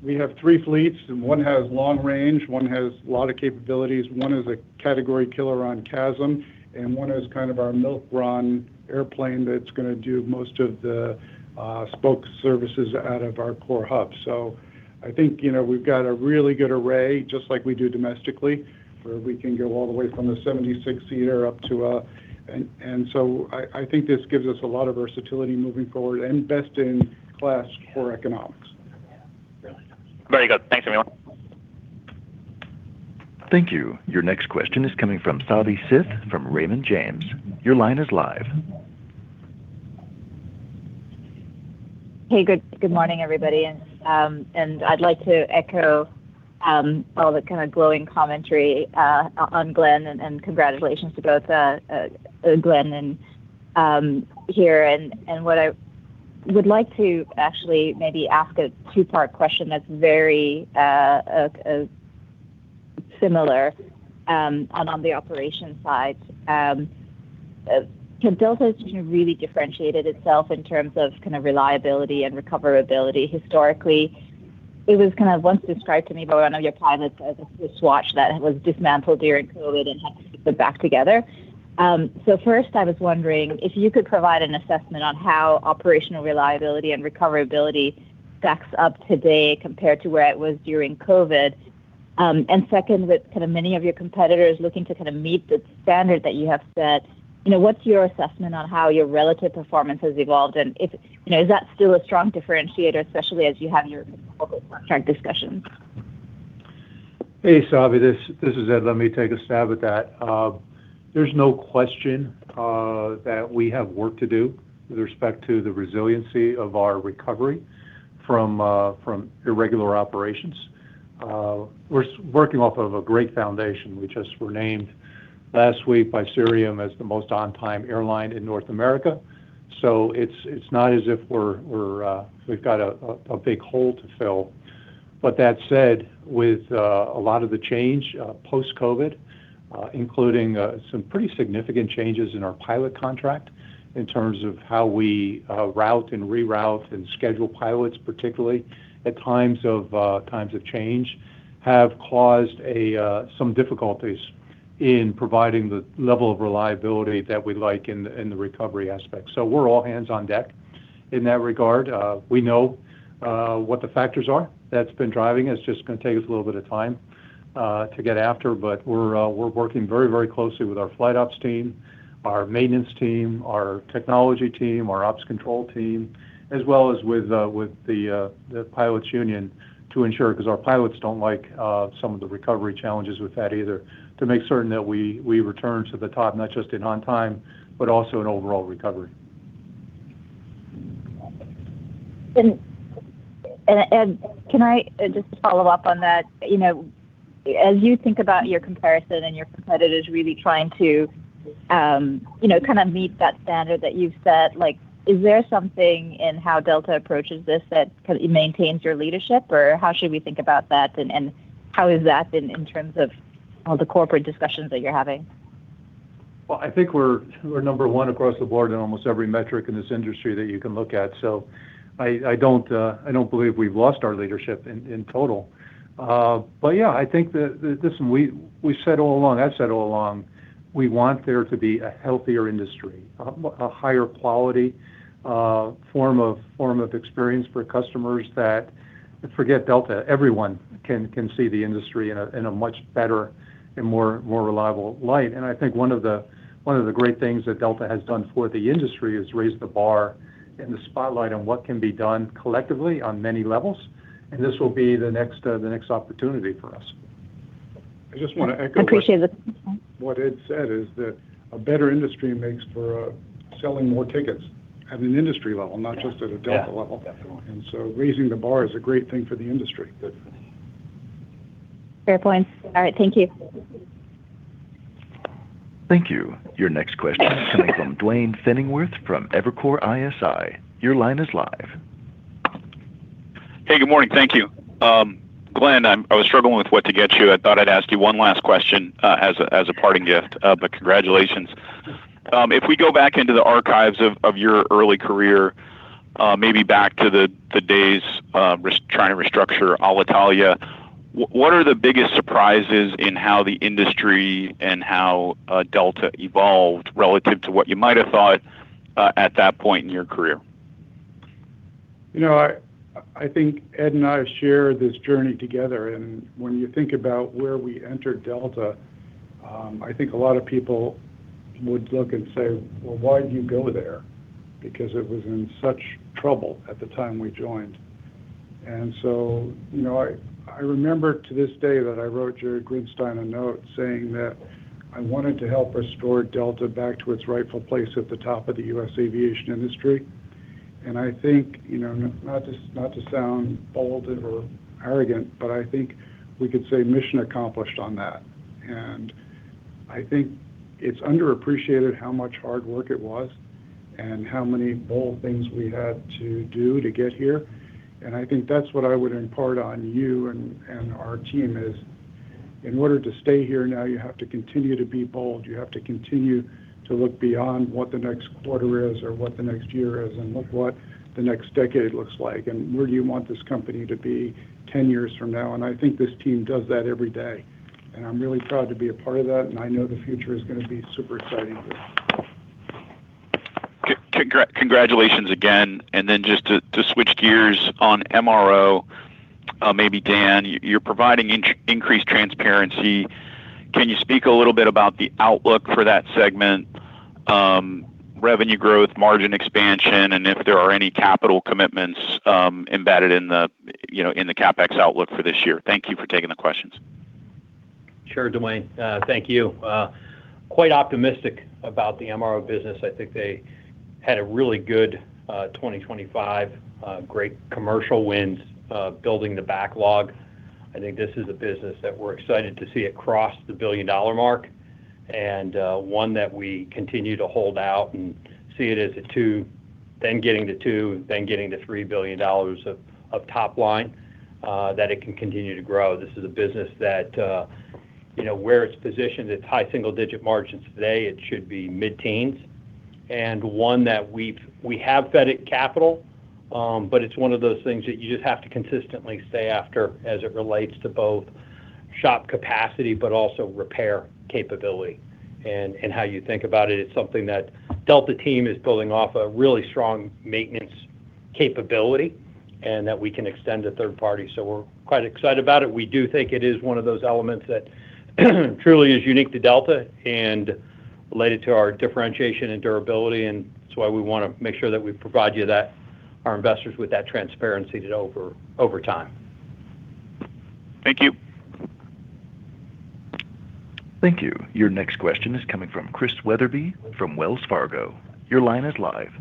D: We have three fleets. One has long range, one has a lot of capabilities, one is a category killer on CASM, and one is kind of our milk-run airplane that's going to do most of the spoke services out of our core hub. So I think we've got a really good array, just like we do domestically, where we can go all the way from the 76-seater—and so I think this gives us a lot of versatility moving forward and best-in-class core economics.
K: Very good. Thanks, everyone.
A: Thank you. Your next question is coming from Savanthi Syth from Raymond James. Your line is live.
L: Hey, good morning, everybody. I'd like to echo all the kind of glowing commentary on Glen, and congratulations to both Glen and Ed. What I would like to actually maybe ask is a two-part question that's very similar on the operations side. Can Delta really differentiate itself in terms of kind of reliability and recoverability? Historically, it was kind of once described to me by one of your pilots as a Swiss watch that was dismantled during COVID and had to be put back together. So first, I was wondering if you could provide an assessment on how operational reliability and recoverability stacks up today compared to where it was during COVID. And second, with kind of many of your competitors looking to kind of meet the standard that you have set, what's your assessment on how your relative performance has evolved? And is that still a strong differentiator, especially as you have your corporate contract discussions?
C: Hey, Savanthi. This is Ed. Let me take a stab at that. There's no question that we have work to do with respect to the resiliency of our recovery from irregular operations. We're working off of a great foundation. We just were named last week by Cirium as the most on-time airline in North America. So it's not as if we've got a big hole to fill. But that said, with a lot of the change post-COVID, including some pretty significant changes in our pilot contract in terms of how we route and reroute and schedule pilots, particularly at times of change, have caused some difficulties in providing the level of reliability that we'd like in the recovery aspect. So we're all hands on deck in that regard. We know what the factors are that's been driving. It's just going to take us a little bit of time to get after. But we're working very, very closely with our flight ops team, our maintenance team, our technology team, our ops control team, as well as with the pilots' union to ensure, because our pilots don't like some of the recovery challenges with that either, to make certain that we return to the top, not just in on-time, but also in overall recovery.
L: Ed, can I just follow up on that? As you think about your comparison and your competitors really trying to kind of meet that standard that you've set, is there something in how Delta approaches this that kind of maintains your leadership? Or how should we think about that? And how has that been in terms of all the corporate discussions that you're having?
C: I think we're number one across the board in almost every metric in this industry that you can look at. So I don't believe we've lost our leadership in total. But yeah, I think that this one we've said all along, I've said all along, we want there to be a healthier industry, a higher quality form of experience for customers that, forget Delta. Everyone can see the industry in a much better and more reliable light. I think one of the great things that Delta has done for the industry is raised the bar and the spotlight on what can be done collectively on many levels. This will be the next opportunity for us.
D: I just want to echo.
L: Appreciate the.
D: What Ed said is that a better industry makes for selling more tickets at an industry level, not just at a Delta level, and so raising the bar is a great thing for the industry.
L: Fair point. All right. Thank you.
A: Thank you. Your next question is coming from Duane Pfennigwerth from Evercore ISI. Your line is live.
M: Hey, good morning. Thank you. Glen, I was struggling with what to get you. I thought I'd ask you one last question as a parting gift, but congratulations. If we go back into the archives of your early career, maybe back to the days trying to restructure Alitalia, what are the biggest surprises in how the industry and how Delta evolved relative to what you might have thought at that point in your career?
D: I think Ed and I have shared this journey together. And when you think about where we entered Delta, I think a lot of people would look and say, "Well, why did you go there?" Because it was in such trouble at the time we joined. And so I remember to this day that I wrote Jerry Grinstein a note saying that I wanted to help restore Delta back to its rightful place at the top of the U.S. aviation industry. And I think, not to sound bold or arrogant, but I think we could say mission accomplished on that. And I think it's underappreciated how much hard work it was and how many bold things we had to do to get here. And I think that's what I would impart on you and our team is, in order to stay here now, you have to continue to be bold. You have to continue to look beyond what the next quarter is or what the next year is and what the next decade looks like. And where do you want this company to be 10 years from now? And I think this team does that every day. And I'm really proud to be a part of that. And I know the future is going to be super exciting.
M: Congratulations again, and then just to switch gears on MRO, maybe Dan, you're providing increased transparency. Can you speak a little bit about the outlook for that segment, revenue growth, margin expansion, and if there are any capital commitments embedded in the CapEx outlook for this year? Thank you for taking the questions.
E: Sure, Duane. Thank you. Quite optimistic about the MRO business. I think they had a really good 2025, great commercial wins building the backlog. I think this is a business that we're excited to see across the $1 billion mark and one that we continue to hold out and see it as a $2 billion, then getting to $3 billion of top line that it can continue to grow. This is a business that where it's positioned at high single-digit margins today, it should be mid-teens and one that we have invested capital, but it's one of those things that you just have to consistently stay after as it relates to both shop capacity, but also repair capability, and how you think about it, it's something that Delta team is building off a really strong maintenance capability and that we can extend to third party. We're quite excited about it. We do think it is one of those elements that truly is unique to Delta and related to our differentiation and durability. That's why we want to make sure that we provide you that, our investors, with that transparency over time.
M: Thank you.
A: Thank you. Your next question is coming from Chris Weatherby from Wells Fargo. Your line is live.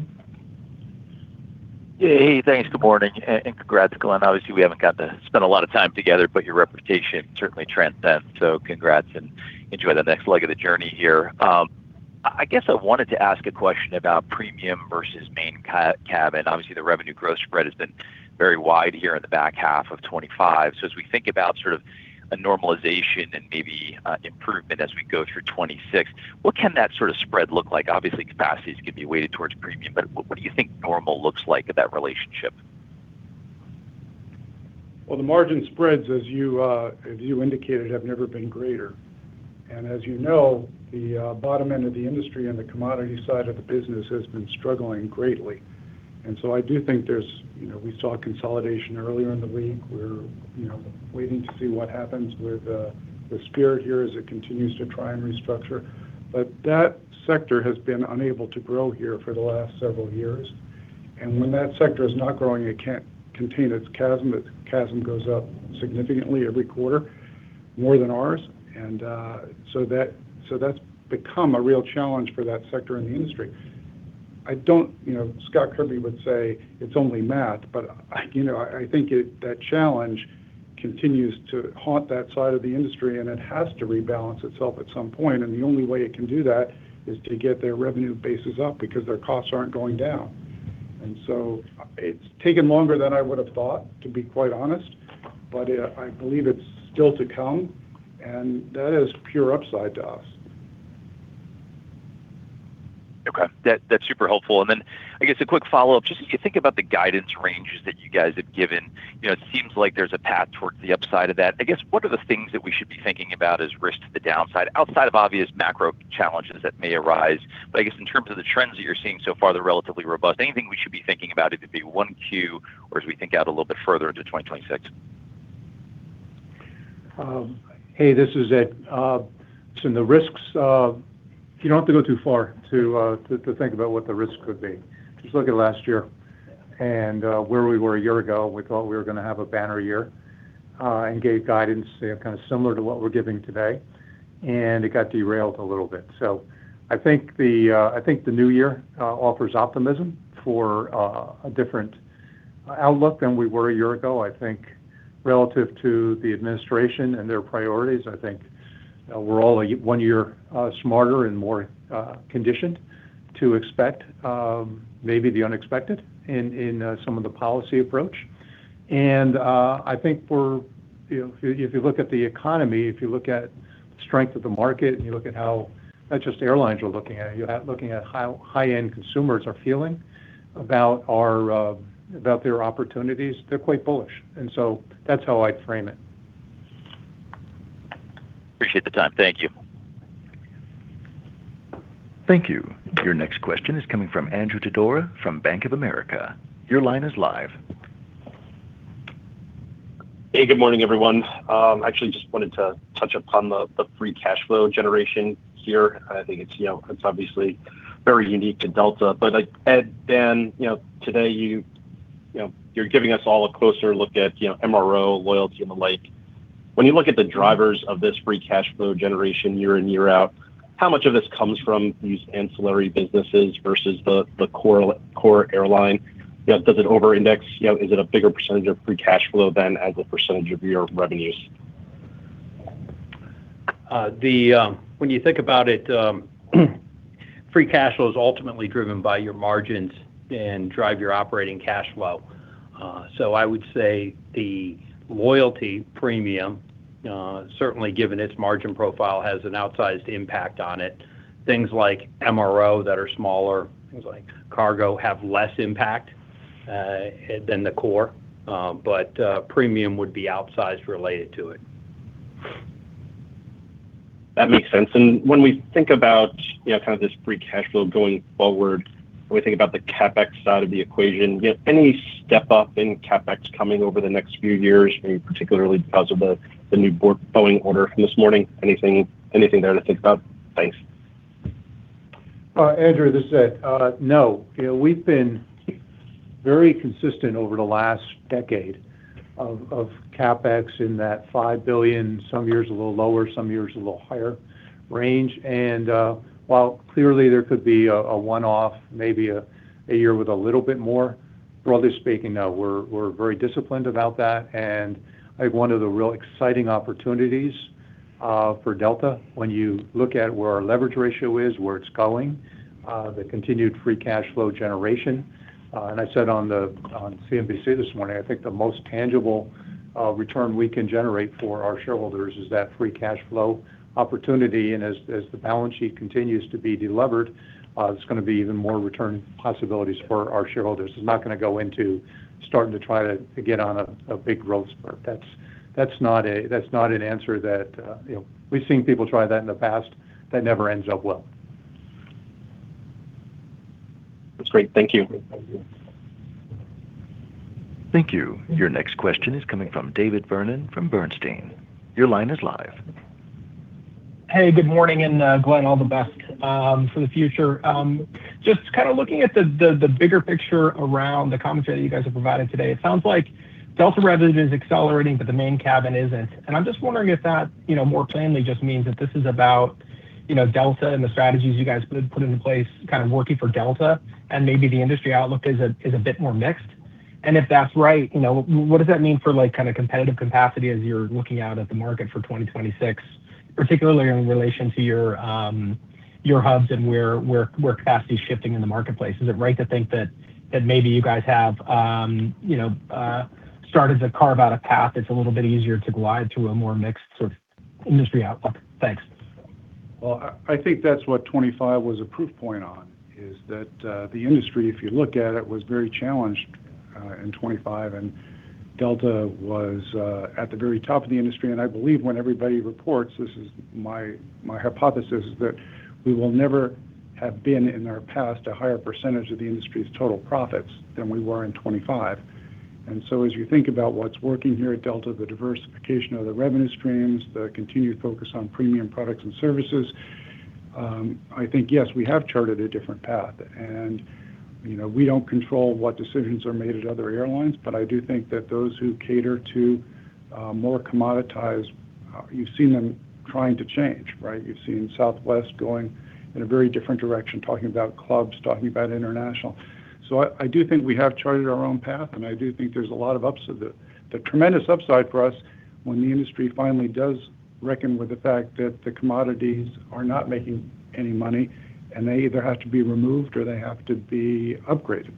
N: Hey, thanks. Good morning. And congrats, Glen. Obviously, we haven't got to spend a lot of time together, but your reputation certainly precedes. So congrats and enjoy the next leg of the journey here. I guess I wanted to ask a question about premium versus Main Cabin. Obviously, the revenue growth spread has been very wide here in the back half of 2025. So as we think about sort of a normalization and maybe improvement as we go through 2026, what can that sort of spread look like? Obviously, capacities can be weighted towards premium, but what do you think normal looks like of that relationship?
D: The margin spreads, as you indicated, have never been greater. And as you know, the bottom end of the industry on the commodity side of the business has been struggling greatly. And so I do think there is. We saw consolidation earlier in the week. We're waiting to see what happens with the Spirit here as it continues to try and restructure. But that sector has been unable to grow here for the last several years. And when that sector is not growing, it can't contain its CASM. Its CASM goes up significantly every quarter, more than ours. And so that's become a real challenge for that sector in the industry. Scott Kirby would say it's only math, but I think that challenge continues to haunt that side of the industry, and it has to rebalance itself at some point. The only way it can do that is to get their revenue bases up because their costs aren't going down. And so it's taken longer than I would have thought, to be quite honest, but I believe it's still to come. And that is pure upside to us.
N: Okay. That's super helpful. And then I guess a quick follow-up, just as you think about the guidance ranges that you guys have given, it seems like there's a path towards the upside of that. I guess what are the things that we should be thinking about as risks to the downside outside of obvious macro challenges that may arise? But I guess in terms of the trends that you're seeing so far, they're relatively robust. Anything we should be thinking about, it'd be 1Q or as we think out a little bit further into 2026?
C: Hey, this is Ed. So in the risks, you don't have to go too far to think about what the risk could be. Just look at last year and where we were a year ago. We thought we were going to have a banner year and gave guidance kind of similar to what we're giving today. And it got derailed a little bit. So I think the new year offers optimism for a different outlook than we were a year ago. I think relative to the administration and their priorities, I think we're all one year smarter and more conditioned to expect maybe the unexpected in some of the policy approach. And I think if you look at the economy, if you look at the strength of the market, and you look at how not just airlines are looking at it, you're looking at how high-end consumers are feeling about their opportunities. They're quite bullish. And so that's how I'd frame it.
N: Appreciate the time. Thank you.
A: Thank you. Your next question is coming from Andrew Didora from Bank of America. Your line is live.
O: Hey, good morning, everyone. I actually just wanted to touch upon the free cash flow generation here. I think it's obviously very unique to Delta. But Ed, Dan, today you're giving us all a closer look at MRO, loyalty, and the like. When you look at the drivers of this free cash flow generation year in, year out, how much of this comes from these ancillary businesses versus the core airline? Does it over-index? Is it a bigger percentage of free cash flow than as a percentage of your revenues?
E: Then when you think about it, free cash flow is ultimately driven by your margins and drives your operating cash flow. So I would say the loyalty premium, certainly given its margin profile, has an outsized impact on it. Things like MRO that are smaller, things like cargo have less impact than the core. But premium would be outsized related to it.
O: That makes sense. And when we think about kind of this free cash flow going forward, when we think about the CapEx side of the equation, any step up in CapEx coming over the next few years, particularly because of the new Boeing order from this morning? Anything there to think about? Thanks.
C: Andrew, this is Ed. No, we've been very consistent over the last decade of CapEx in that $5 billion, some years a little lower, some years a little higher range, and while clearly there could be a one-off, maybe a year with a little bit more, broadly speaking, no, we're very disciplined about that, and I think one of the real exciting opportunities for Delta, when you look at where our leverage ratio is, where it's going, the continued free cash flow generation, and I said on CNBC this morning, I think the most tangible return we can generate for our shareholders is that free cash flow opportunity, and as the balance sheet continues to be delivered, it's going to be even more return possibilities for our shareholders. It's not going to go into starting to try to get on a big growth spurt. That's not an answer that we've seen people try that in the past. That never ends up well.
O: That's great. Thank you.
A: Thank you. Your next question is coming from David Vernon from Bernstein. Your line is live.
P: Hey, good morning, and Glen, all the best for the future. Just kind of looking at the bigger picture around the commentary that you guys have provided today, it sounds like Delta revenue is accelerating, but the Main Cabin isn't. And I'm just wondering if that more plainly just means that this is about Delta and the strategies you guys put into place kind of working for Delta, and maybe the industry outlook is a bit more mixed. And if that's right, what does that mean for kind of competitive capacity as you're looking out at the market for 2026, particularly in relation to your hubs and where capacity is shifting in the marketplace? Is it right to think that maybe you guys have started to carve out a path that's a little bit easier to glide to a more mixed sort of industry outlook? Thanks.
D: I think that's what 2025 was a proof point on, is that the industry, if you look at it, was very challenged in 2025. And Delta was at the very top of the industry. And I believe when everybody reports, this is my hypothesis, is that we will never have been in our past a higher percentage of the industry's total profits than we were in 2025. And so as you think about what's working here at Delta, the diversification of the revenue streams, the continued focus on premium products and services, I think, yes, we have charted a different path. And we don't control what decisions are made at other airlines, but I do think that those who cater to more commoditized, you've seen them trying to change, right? You've seen Southwest going in a very different direction, talking about clubs, talking about international. So I do think we have charted our own path, and I do think there's a lot of upside. The tremendous upside for us when the industry finally does reckon with the fact that the commodities are not making any money, and they either have to be removed or they have to be upgraded.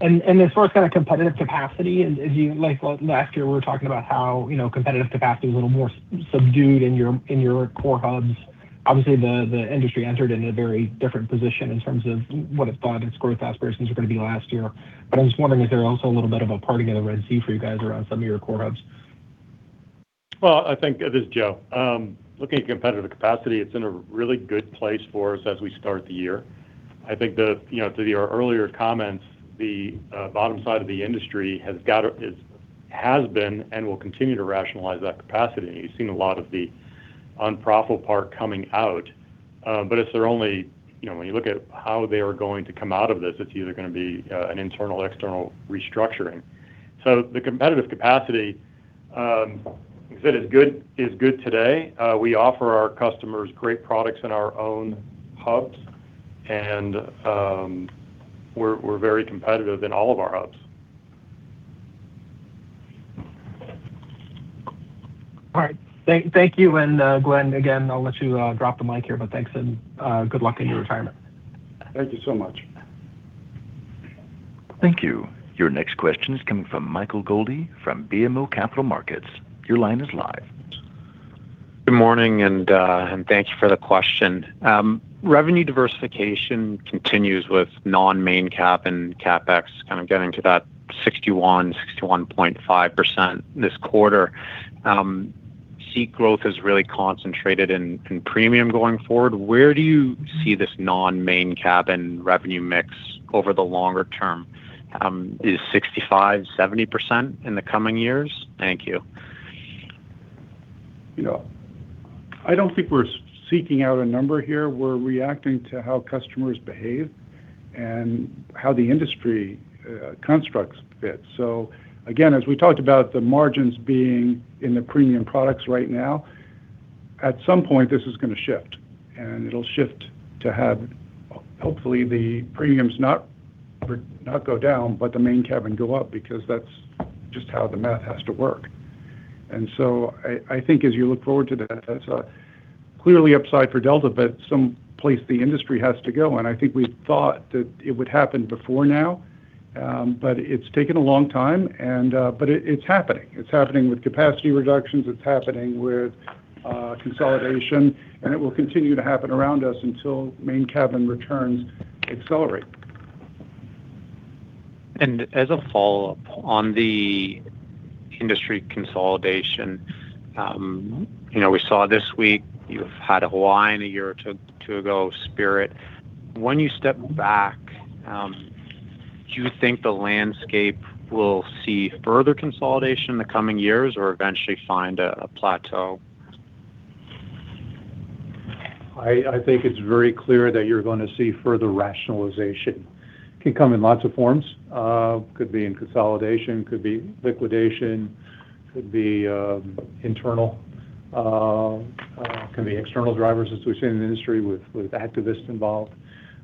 P: As far as kind of competitive capacity, as in last year, we were talking about how competitive capacity was a little more subdued in your core hubs. Obviously, the industry entered in a very different position in terms of what it thought its growth aspirations were going to be last year. I'm just wondering, is there also a little bit of a parting of the Red Sea for you guys around some of your core hubs?
I: I think this is Joe. Looking at competitive capacity, it's in a really good place for us as we start the year. I think, to our earlier comments, the bottom side of the industry has been and will continue to rationalize that capacity, and you've seen a lot of the unprofitable part coming out, but it's there only when you look at how they are going to come out of this, it's either going to be an internal or external restructuring, so the competitive capacity, as I said, is good today. We offer our customers great products in our own hubs, and we're very competitive in all of our hubs.
P: All right. Thank you. And Glen, again, I'll let you drop the mic here, but thanks, and good luck in your retirement.
D: Thank you so much.
A: Thank you. Your next question is coming from Michael Goldie from BMO Capital Markets. Your line is live.
Q: Good morning, and thank you for the question. Revenue diversification continues with non-Main Cabin and premium kind of getting to that 61%-61.5% this quarter. Seat growth is really concentrated in premium going forward. Where do you see this non-Main Cabin revenue mix over the longer term? Is 65%-70% in the coming years? Thank you.
D: I don't think we're seeking out a number here. We're reacting to how customers behave and how the industry constructs it. So again, as we talked about the margins being in the premium products right now, at some point, this is going to shift. And it'll shift to have hopefully the premiums not go down, but the Main Cabin go up because that's just how the math has to work. And so I think as you look forward to that, that's clearly upside for Delta, but some place the industry has to go. And I think we thought that it would happen before now, but it's taken a long time. But it's happening. It's happening with capacity reductions. It's happening with consolidation. And it will continue to happen around us until Main Cabin returns accelerate.
Q: As a follow-up on the industry consolidation, we saw this week you've had a Hawaiian a year or two ago Spirit. When you step back, do you think the landscape will see further consolidation in the coming years or eventually find a plateau?
C: I think it's very clear that you're going to see further rationalization. It can come in lots of forms. It could be in consolidation. It could be liquidation. It could be internal. It can be external drivers, as we've seen in the industry with activists involved.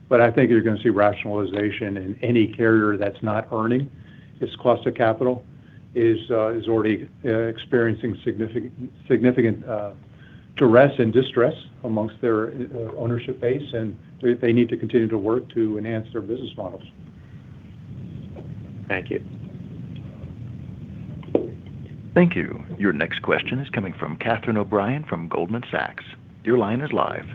C: But I think you're going to see rationalization in any carrier that's not earning. Its cost of capital is already experiencing significant duress and distress amongst their ownership base, and they need to continue to work to enhance their business models.
Q: Thank you.
A: Thank you. Your next question is coming from Catherine O'Brien from Goldman Sachs. Your line is live.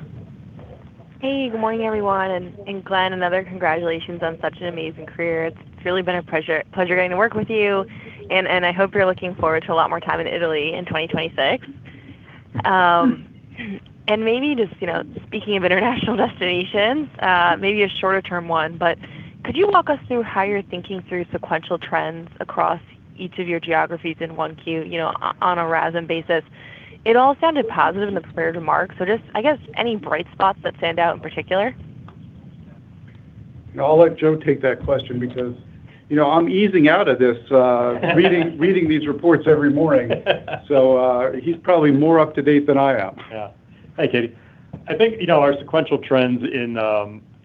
R: Hey, good morning, everyone. And Glen, another congratulations on such an amazing career. It's really been a pleasure getting to work with you. And I hope you're looking forward to a lot more time in Italy in 2026. And maybe just speaking of international destinations, maybe a shorter-term one, but could you walk us through how you're thinking through sequential trends across each of your geographies in Q1 on a RASM basis? It all sounded positive in the prior remarks. So just, I guess, any bright spots that stand out in particular?
D: I'll let Joe take that question because I'm easing out of this reading these reports every morning, so he's probably more up to date than I am.
I: Yeah. Hey, Katie. I think our sequential trends in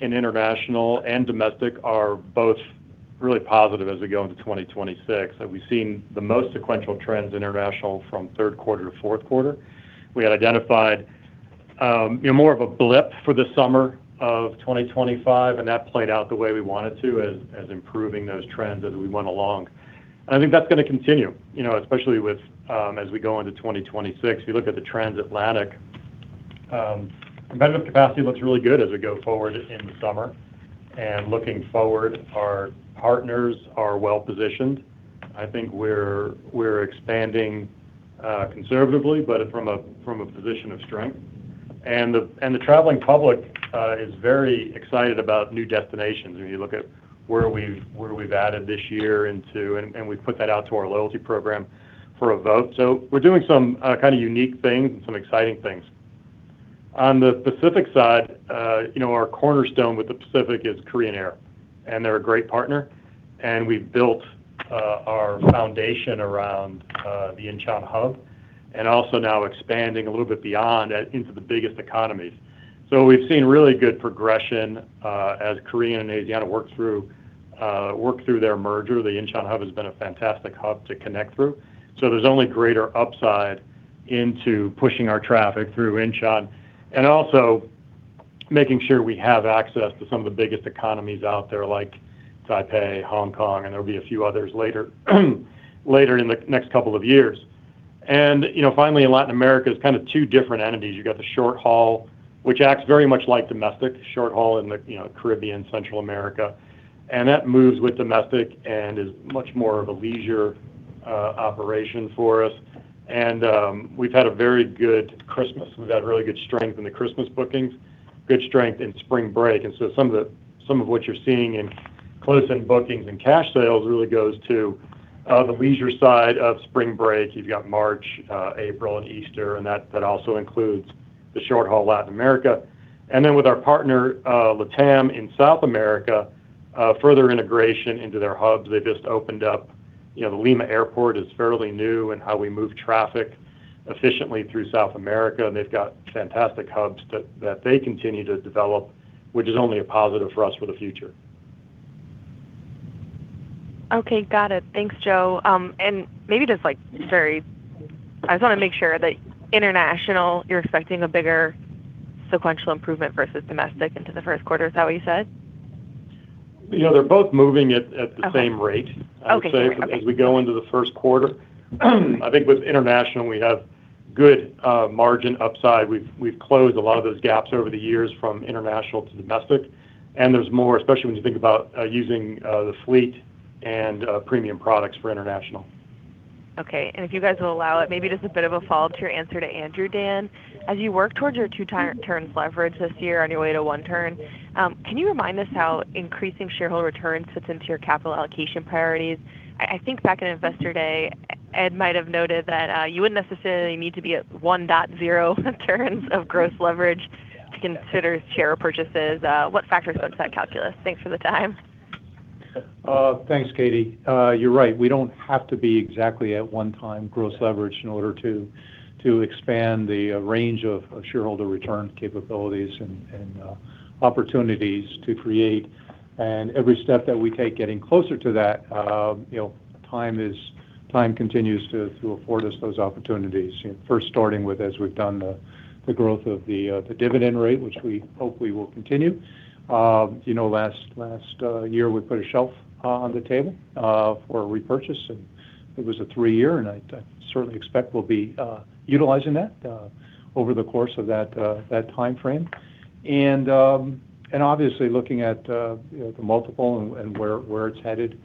I: international and domestic are both really positive as we go into 2026. We've seen the most sequential trends international from third quarter to fourth quarter. We had identified more of a blip for the summer of 2025, and that played out the way we wanted to as improving those trends as we went along, and I think that's going to continue, especially as we go into 2026. If you look at the transatlantic, competitive capacity looks really good as we go forward in the summer, and looking forward, our partners are well positioned. I think we're expanding conservatively, but from a position of strength, and the traveling public is very excited about new destinations. I mean, you look at where we've added this year into, and we've put that out to our loyalty program for a vote. So we're doing some kind of unique things and some exciting things. On the Pacific side, our cornerstone with the Pacific is Korean Air. And they're a great partner. And we've built our foundation around the Incheon hub and also now expanding a little bit beyond into the biggest economies. So we've seen really good progression as Korean and Asiana work through their merger. The Incheon hub has been a fantastic hub to connect through. So there's only greater upside into pushing our traffic through Incheon and also making sure we have access to some of the biggest economies out there like Taipei, Hong Kong, and there'll be a few others later in the next couple of years. And finally, in Latin America, it's kind of two different entities. You've got the short haul, which acts very much like domestic, short haul in the Caribbean, Central America. And that moves with domestic and is much more of a leisure operation for us. We've had a very good Christmas. We've had really good strength in the Christmas bookings, good strength in spring break. And so some of what you're seeing in close-in bookings and cash sales really goes to the leisure side of spring break. You've got March, April, and Easter. And that also includes the short-haul Latin America. And then with our partner, LATAM in South America, further integration into their hubs. They just opened up the Lima airport, which is fairly new in how we move traffic efficiently through South America. And they've got fantastic hubs that they continue to develop, which is only a positive for us for the future.
R: Okay. Got it. Thanks, Joe. And maybe just very I just want to make sure that international, you're expecting a bigger sequential improvement versus domestic into the first quarter. Is that what you said?
I: They're both moving at the same rate, I would say, as we go into the first quarter. I think with international, we have good margin upside. We've closed a lot of those gaps over the years from international to domestic. And there's more, especially when you think about using the fleet and premium products for international.
R: Okay. And if you guys will allow it, maybe just a bit of a follow-up to your answer to Andrew, Dan, as you work towards your two-turn leverage this year on your way to one turn, can you remind us how increasing shareholder returns fits into your capital allocation priorities? I think back in Investor Day, Ed might have noted that you wouldn't necessarily need to be at 1.0 turns of gross leverage to consider share purchases. What factors go into that calculus? Thanks for the time.
E: Thanks, Cathy. You're right. We don't have to be exactly at one times gross leverage in order to expand the range of shareholder return capabilities and opportunities to create, and every step that we take getting closer to that, time continues to afford us those opportunities. First starting with, as we've done, the growth of the dividend rate, which we hope we will continue. Last year, we put a shelf on the table for repurchase, and it was a three-year, and I certainly expect we'll be utilizing that over the course of that timeframe, and obviously, looking at the multiple and where it's headed,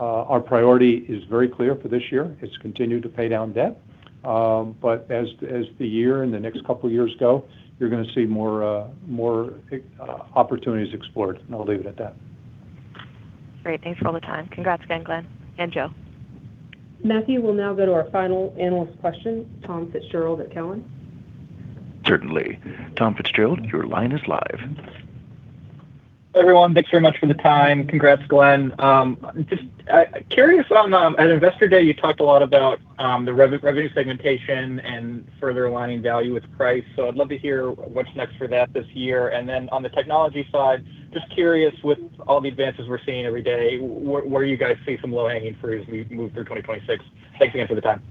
E: our priority is very clear for this year. It's continued to pay down debt, but as the year and the next couple of years go, you're going to see more opportunities explored, and I'll leave it at that.
R: Great. Thanks for all the time. Congrats again, Glen and Joe.
B: Matthew, we'll now go to our final analyst question. Tom Fitzgerald at TD Cowen.
A: Certainly. Tom Fitzgerald, your line is live.
S: Hey, everyone. Thanks very much for the time. Congrats, Glen. Just curious, on investor day, you talked a lot about the revenue segmentation and further aligning value with price. So I'd love to hear what's next for that this year. And then on the technology side, just curious, with all the advances we're seeing every day, where do you guys see some low-hanging fruit as we move through 2026? Thanks again for the time.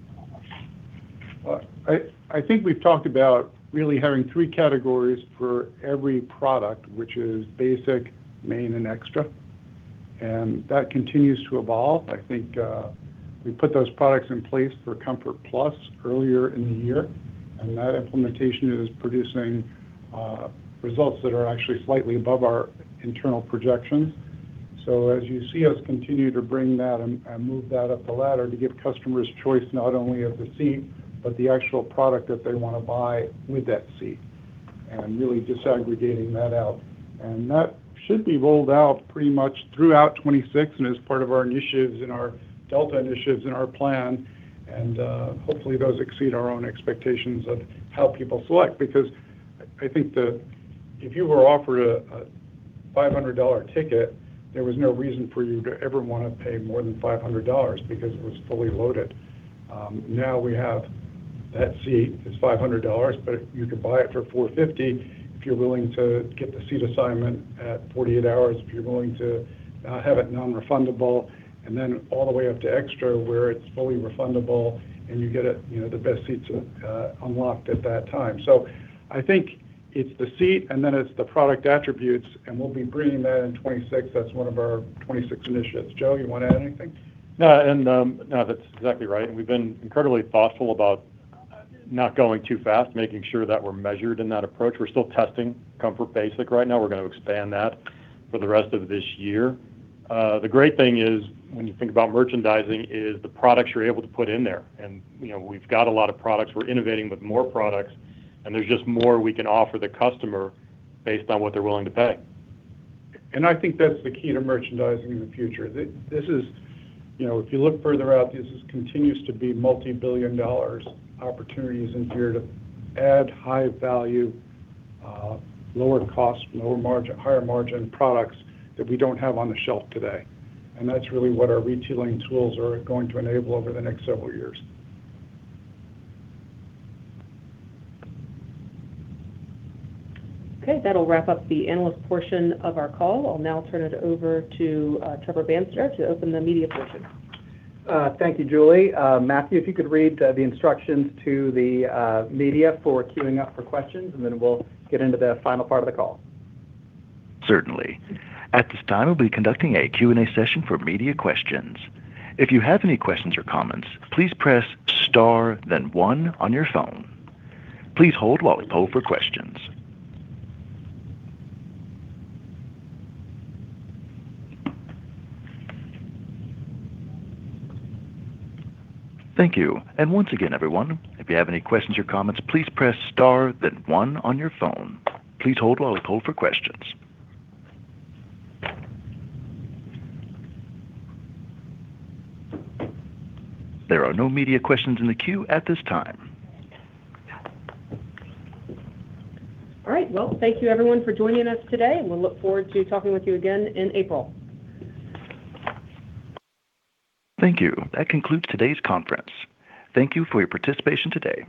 D: I think we've talked about really having three categories for every product, which is basic, main, and extra. And that continues to evolve. I think we put those products in place for Comfort+ earlier in the year. And that implementation is producing results that are actually slightly above our internal projections. So as you see us continue to bring that and move that up the ladder to give customers choice not only of the seat, but the actual product that they want to buy with that seat and really disaggregating that out. And that should be rolled out pretty much throughout 2026 and as part of our initiatives and our Delta initiatives and our plan. And hopefully, those exceed our own expectations of how people select because I think if you were offered a $500 ticket, there was no reason for you to ever want to pay more than $500 because it was fully loaded. Now we have that seat is $500, but you could buy it for $450 if you're willing to get the seat assignment at 48 hours, if you're willing to have it non-refundable, and then all the way up to extra where it's fully refundable and you get the best seats unlocked at that time. So I think it's the seat and then it's the product attributes. And we'll be bringing that in 2026. That's one of our 2026 initiatives. Joe, you want to add anything?
I: Yeah. And no, that's exactly right. And we've been incredibly thoughtful about not going too fast, making sure that we're measured in that approach. We're still testing Comfort Basic right now. We're going to expand that for the rest of this year. The great thing is when you think about merchandising is the products you're able to put in there. And we've got a lot of products. We're innovating with more products. And there's just more we can offer the customer based on what they're willing to pay.
D: I think that's the key to merchandising in the future. If you look further out, this continues to be multi-billion-dollar opportunities in here to add high-value, lower-cost, lower-margin, higher-margin products that we don't have on the shelf today. That's really what our retailing tools are going to enable over the next several years.
B: Okay. That'll wrap up the analyst portion of our call. I'll now turn it over to Trevor Banstetter to open the media portion.
T: Thank you, Julie. Matthew, if you could read the instructions to the media for queuing up for questions, and then we'll get into the final part of the call.
A: Certainly. At this time, we'll be conducting a Q&A session for media questions. If you have any questions or comments, please press star, then one on your phone. Please hold while we pull for questions. Thank you. And once again, everyone, if you have any questions or comments, please press star, then one on your phone. Please hold while we pull for questions. There are no media questions in the queue at this time.
B: All right, well, thank you, everyone, for joining us today. We'll look forward to talking with you again in April.
A: Thank you. That concludes today's conference. Thank you for your participation today.